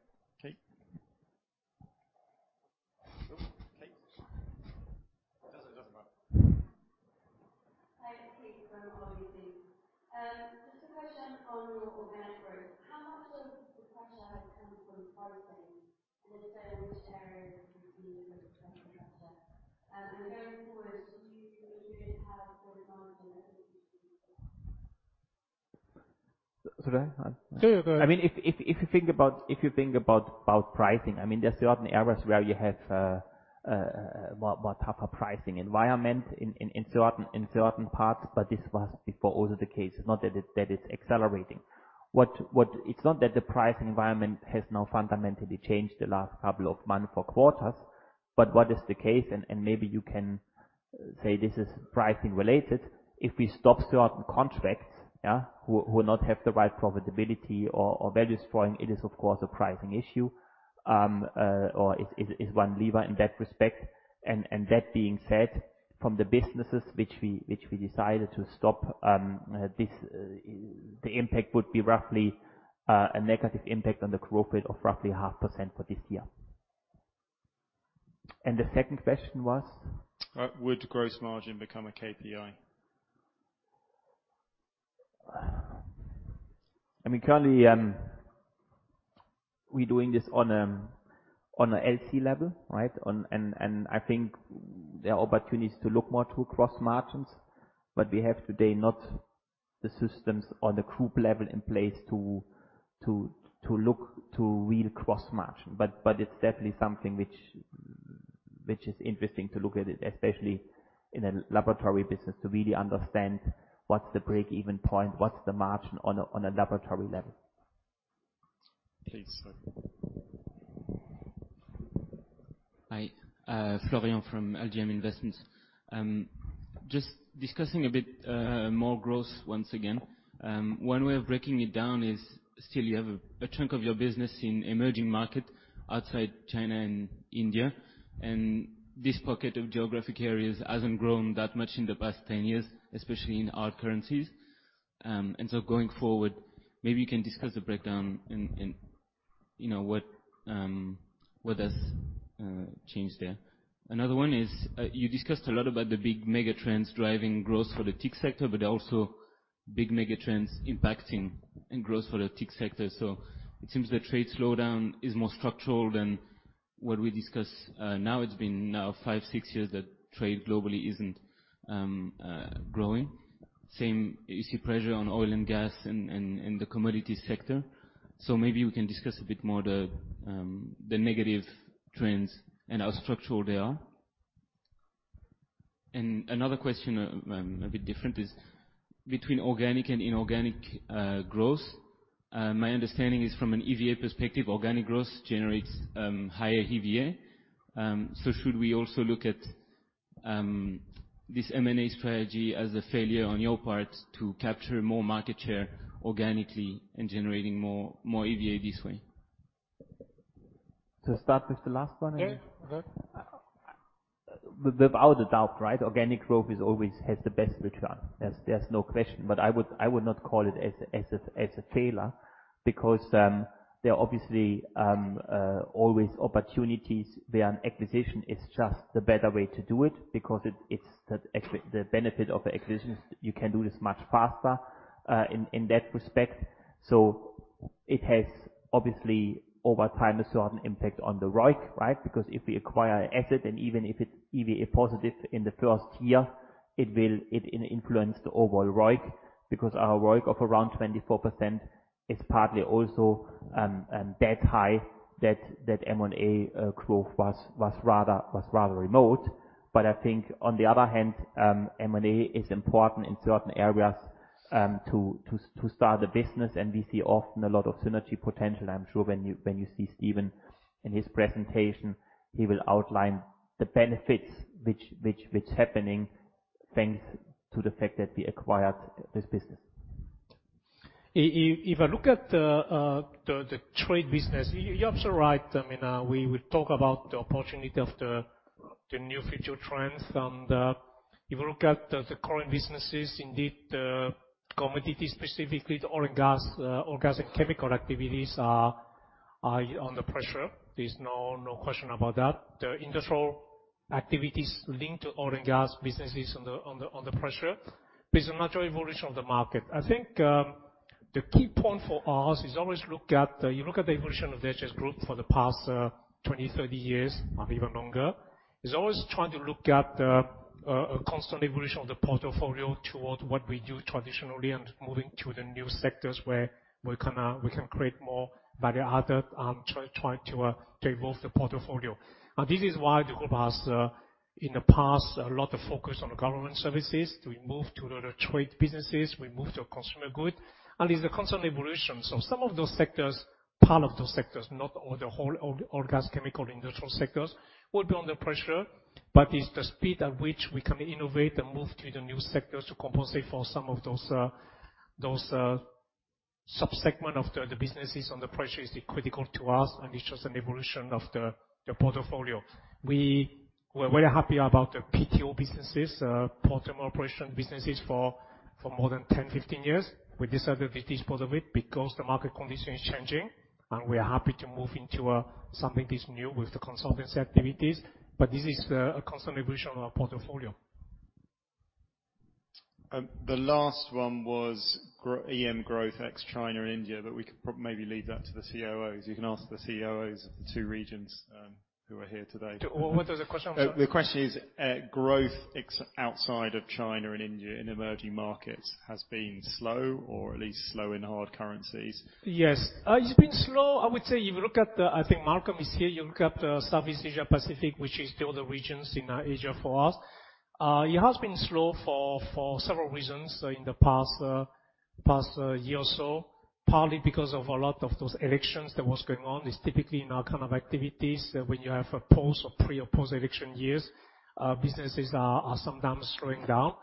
Yeah. Kate. Doesn't matter. Hi, Kate from RBC. Just a question on your organic growth. How much of the pressure has come from pricing? If so, which areas have seen the most pressure? Going forward, do you think you have more downside than? Should I? Sure, go ahead. If you think about pricing, there's certain areas where you have a tougher pricing environment in certain parts, but this was before also the case, not that it's accelerating. It's not that the pricing environment has now fundamentally changed the last couple of months or quarters, but what is the case, and maybe you can say this is pricing related, if we stop certain contracts who not have the right profitability or value destroying, it is of course a pricing issue, or is one lever in that respect. That being said, from the businesses which we decided to stop, the impact would be roughly a negative impact on the growth rate of roughly 0.5% for this year. The second question was? Would gross margin become a KPI? Currently, we're doing this on a LC level, right? I think there are opportunities to look more to gross margins, but we have today not the systems on the Group level in place to look to real gross margin. It's definitely something which is interesting to look at it, especially in a laboratory business, to really understand what's the break-even point, what's the margin on a laboratory level. Please. Hi. Florian from LGM Investments. Just discussing a bit more growth once again. One way of breaking it down is, still you have a chunk of your business in emerging markets outside China and India. This pocket of geographic areas hasn't grown that much in the past 10 years, especially in our currencies. Going forward, maybe you can discuss the breakdown and what has changed there. Another one is, you discussed a lot about the big mega trends driving growth for the TIC sector. Also big mega trends impacting in growth for the TIC sector. It seems the trade slowdown is more structural than what we discuss. Now it's been five-six years that trade globally isn't growing. Same, you see pressure on oil and gas and the commodity sector. Maybe we can discuss a bit more the negative trends and how structural they are. Another question, a bit different, is between organic and inorganic growth. My understanding is from an EVA perspective, organic growth generates higher EVA. Should we also look at this M&A strategy as a failure on your part to capture more market share organically and generating more EVA this way? To start with the last one? Yeah. Go ahead. Without a doubt, organic growth always has the best return. There's no question. I would not call it as a failure because there are obviously always opportunities where an acquisition is just the better way to do it because it's the benefit of the acquisitions. You can do this much faster, in that respect. It has obviously over time a certain impact on the ROIC. Because if we acquire an asset and even if it's EVA positive in the first year, it will influence the overall ROIC, because our ROIC of around 24% is partly also that high that M&A growth was rather remote. I think on the other hand, M&A is important in certain areas to start the business, and we see often a lot of synergy potential. I'm sure when you see Steven in his presentation, he will outline the benefits which is happening thanks to the fact that we acquired this business. If I look at the trade business, you're also right. We will talk about the opportunity of the new future trends. If you look at the current businesses, indeed, commodity, specifically the oil and gas, oil, gas, and chemical activities are under pressure. There's no question about that. The industrial activities linked to oil and gas businesses under pressure is a natural evolution of the market. I think the key point for us is always you look at the evolution of the SGS Group for the past 20, 30 years, or even longer, is always trying to look at the constant evolution of the portfolio toward what we do traditionally and moving to the new sectors where we can create more value added, try to evolve the portfolio. This is why the group has in the past, a lot of focus on the government services. We move to the trade businesses, we move to consumer goods. It's a constant evolution. Some of those sectors, part of those sectors, not all the whole oil, gas, chemical, industrial sectors, will be under pressure. It's the speed at which we can innovate and move to the new sectors to compensate for some of those sub-segment of the businesses on the pressure is critical to us, and it's just an evolution of the portfolio. We were very happy about the PSC businesses, port terminal operation businesses for more than 10, 15 years. We decided to dispose of it because the market condition is changing, and we are happy to move into something that's new with the consultancy activities. This is a constant evolution of our portfolio. The last one was EM growth ex China and India. We could maybe leave that to the COOs. You can ask the COOs of the two regions who are here today. What was the question? I'm sorry. The question is growth outside of China and India in emerging markets has been slow or at least slow in hard currencies. Yes. It's been slow. I would say if you look at Malcolm is here. You look at the Southeast Asia Pacific, which is still the regions in Asia for us. It has been slow for several reasons in the past year or so, partly because of a lot of those elections that was going on. It's typically in our kind of activities when you have a post or pre or post-election years, businesses are sometimes slowing down.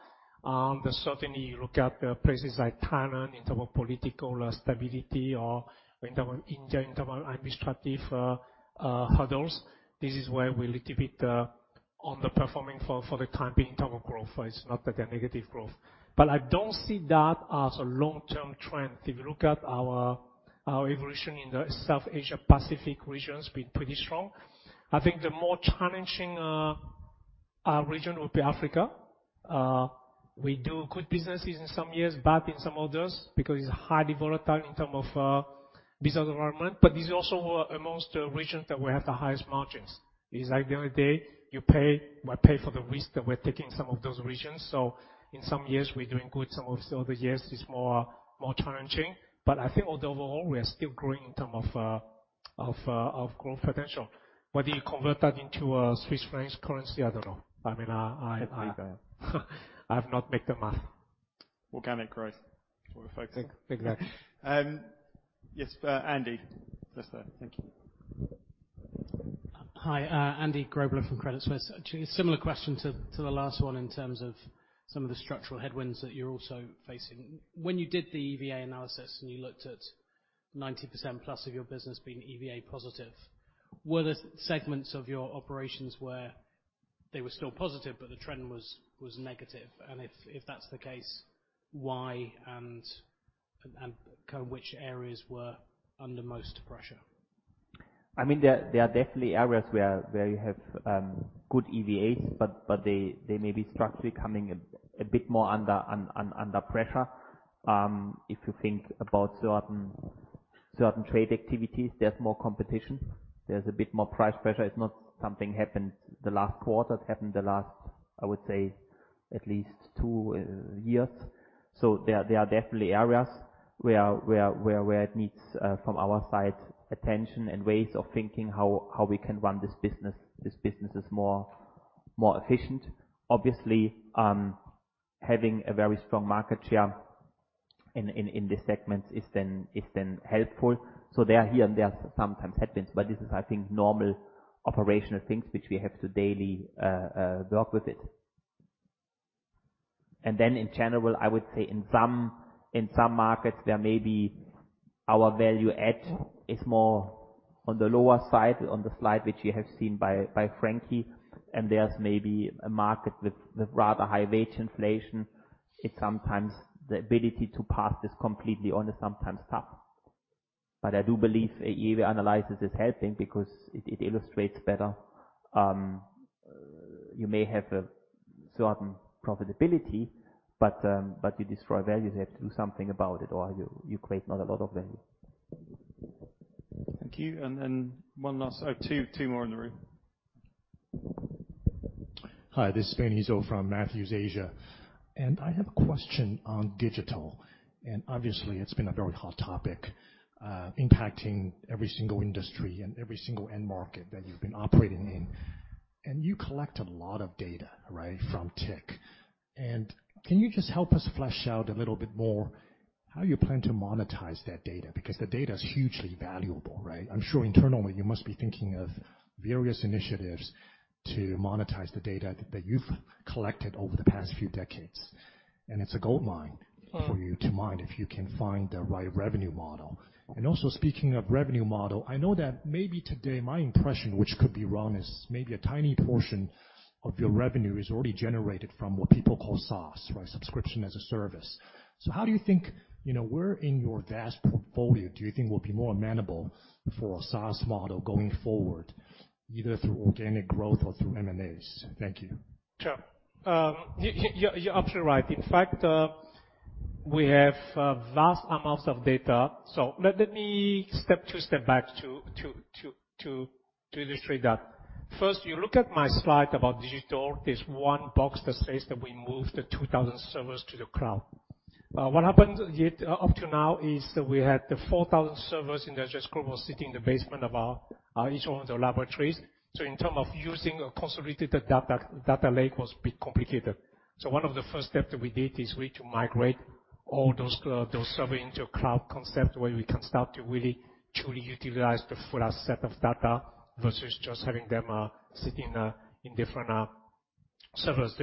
Certainly, you look at places like Thailand in terms of political stability or in terms of India, in terms of administrative hurdles. This is where we're a little bit underperforming for the time being in terms of growth. It's not that they're negative growth. I don't see that as a long-term trend. If you look at our evolution in the South Asia Pacific region, it's been pretty strong. I think the more challenging region would be Africa. We do good businesses in some years, bad in some others, because it's highly volatile in terms of business environment. This is also amongst the regions that we have the highest margins. It's like the other day, you pay for the risk that we're taking in some of those regions. In some years we're doing good, some of the other years it's more challenging. I think overall, we are still growing in terms of growth potential. Whether you convert that into a Swiss franc currency, I don't know. I have not make the math. Organic growth is what we're focusing. Exactly. Yes, Andy. Just there. Thank you. Hi, Andy Grobler from Credit Suisse. Actually, a similar question to the last one in terms of some of the structural headwinds that you're also facing. When you did the EVA analysis and you looked at 90%+ of your business being EVA positive, were there segments of your operations where they were still positive, but the trend was negative? If that's the case, why and which areas were under most pressure? There are definitely areas where you have good EVAs, but they may be structurally coming a bit more under pressure. If you think about certain trade activities, there's more competition. There's a bit more price pressure. It's not something happened the last quarter. It happened the last, I would say, at least two years. There are definitely areas where it needs, from our side, attention and ways of thinking how we can run these businesses more efficient. Obviously, having a very strong market share in these segments is then helpful. They are here and there are sometimes headwinds, but this is, I think, normal operational things which we have to daily work with it. In general, I would say in some markets, there may be our value add is more on the lower side, on the slide, which you have seen by Frankie, and there's maybe a market with rather high wage inflation. It's sometimes the ability to pass this completely on is sometimes tough. I do believe EVA analysis is helping because it illustrates better. You may have a certain profitability, but you destroy value. You have to do something about it, or you create not a lot of value. Thank you. One last Oh, two more in the room. Hi, this is Ben Hezo from Matthews Asia. I have a question on digital. Obviously, it's been a very hot topic, impacting every single industry and every single end market that you've been operating in. You collect a lot of data, right, from TIC. Can you just help us flesh out a little bit more how you plan to monetize that data? Because the data is hugely valuable, right? I'm sure internally, you must be thinking of various initiatives to monetize the data that you've collected over the past few decades. It's a goldmine for you to mine if you can find the right revenue model. Also, speaking of revenue model, I know that maybe today my impression, which could be wrong, is maybe a tiny portion of your revenue is already generated from what people call SaaS, right? Subscription as a service. How do you think, where in your vast portfolio do you think will be more amenable for a SaaS model going forward, either through organic growth or through M&As? Thank you. Sure. You're absolutely right. In fact, we have vast amounts of data. Let me step two step back to illustrate that. First, you look at my slide about digital. There's one box that says that we moved the 2,000 servers to the cloud. What happened up to now is that we had the 4,000 servers in the SGS Group were sitting in the basement of each one of the laboratories. In term of using a consolidated data lake was a bit complicated. One of the first steps that we did is to migrate all those server into a cloud concept where we can start to really, truly utilize the fullest set of data versus just having them sit in different servers.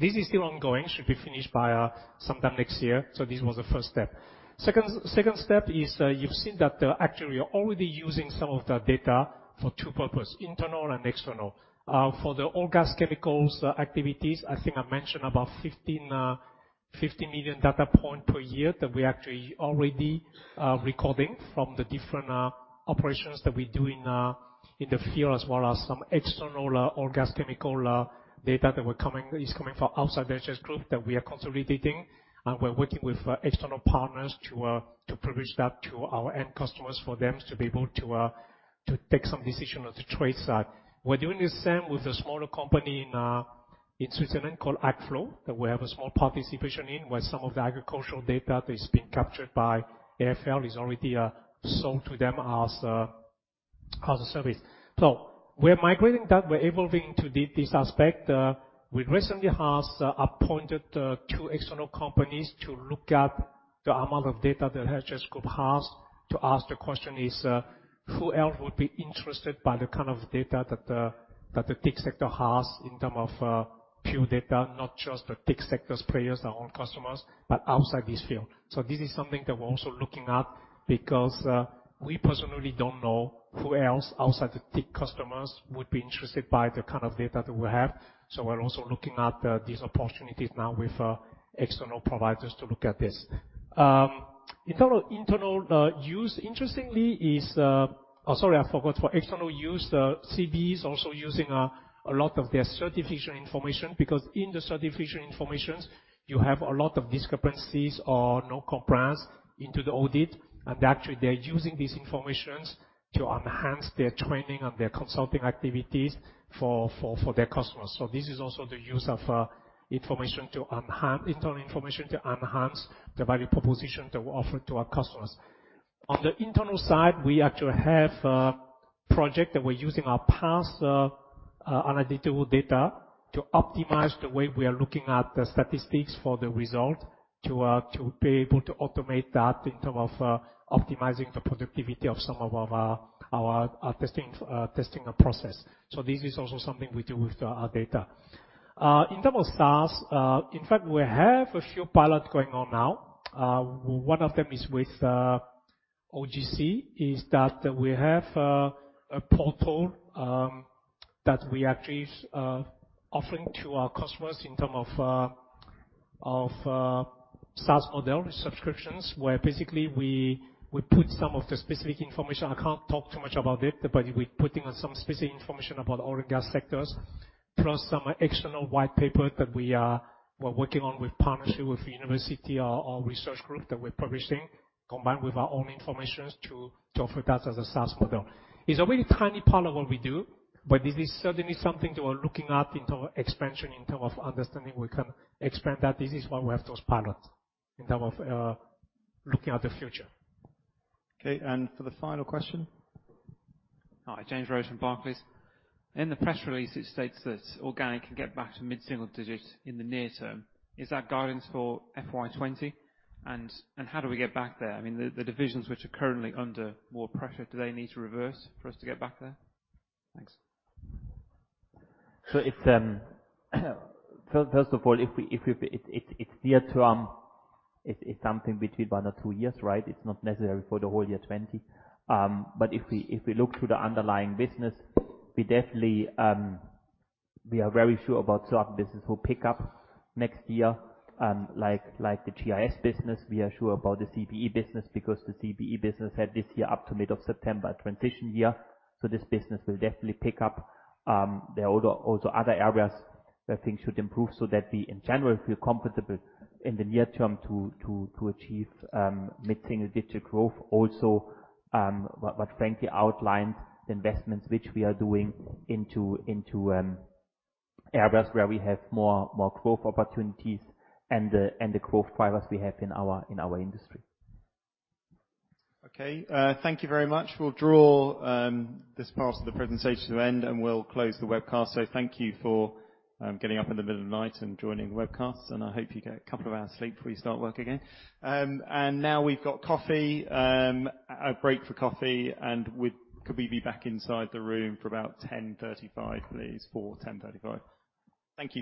This is still ongoing, should be finished by sometime next year. This was the first step. Second step is, you've seen that actually we are already using some of the data for two purpose, internal and external. For the oil, gas, chemicals activities, I think I mentioned about 15 million data point per year that we actually already recording from the different operations that we do in the field, as well as some external oil, gas, chemical data that is coming from outside the SGS Group that we are consolidating, and we're working with external partners to publish that to our end customers, for them to be able to take some decision on the trade side. We're doing the same with a smaller company in Switzerland called AgFlow, that we have a small participation in. Where some of the agricultural data that is being captured by AgFlow is already sold to them as a service. We're migrating that. We're evolving into this aspect. We recently has appointed two external companies to look at the amount of data that SGS Group has. To ask the question is, who else would be interested by the kind of data that the TIC sector has in term of pure data, not just the TIC sector's players, our own customers, but outside this field. This is something that we're also looking at because we personally don't know who else outside the TIC customers would be interested by the kind of data that we have. We're also looking at these opportunities now with external providers to look at this. Internal use, interestingly, is Oh, sorry, I forgot. For external use, CBE is also using a lot of their certification information because in the certification informations, you have a lot of discrepancies or no compliance into the audit. Actually, they're using this information to enhance their training and their consulting activities for their customers. This is also the use of internal information to enhance the value proposition that we offer to our customers. On the internal side, we actually have. Project that we're using our past analytical data to optimize the way we are looking at the statistics for the result to be able to automate that in terms of optimizing the productivity of some of our testing process. This is also something we do with our data. In terms of SaaS, in fact, we have a few pilots going on now. One of them is with OGC, is that we have a portal that we actually offering to our customers in terms of SaaS model subscriptions, where basically we put some of the specific information. I can't talk too much about it, but we're putting on some specific information about oil and gas sectors, plus some external white paper that we are working on with partnership with university or research group that we're publishing, combined with our own informations to offer that as a SaaS model. It's a very tiny part of what we do, but this is certainly something that we're looking at in terms of expansion, in terms of understanding we can expand that. This is why we have those pilots in terms of looking at the future. Okay, for the final question. Hi, James Rose from Barclays. In the press release, it states that organic can get back to mid-single digits in the near term. Is that guidance for FY 2020? How do we get back there? I mean, the divisions which are currently under more pressure, do they need to reverse for us to get back there? Thanks. First of all, it's near term, it's something between one or two years, right. It's not necessary for the whole year 2020. If we look to the underlying business, we are very sure about certain business will pick up next year, like the GIS business. We are sure about the CBE business because the CBE business had this year up to mid-September, transition year. This business will definitely pick up. There are also other areas where things should improve, so that we in general feel comfortable in the near term to achieve mid-single digit growth also. Frankie outlined the investments which we are doing into areas where we have more growth opportunities and the growth drivers we have in our industry. Okay, thank you very much. We'll draw this part of the presentation to end, and we'll close the webcast. Thank you for getting up in the middle of the night and joining the webcast, and I hope you get a couple of hours sleep before you start work again. Now we've got coffee. A break for coffee, and could we be back inside the room for about 10:35 A.M., please? For 10:35 A.M. Thank you.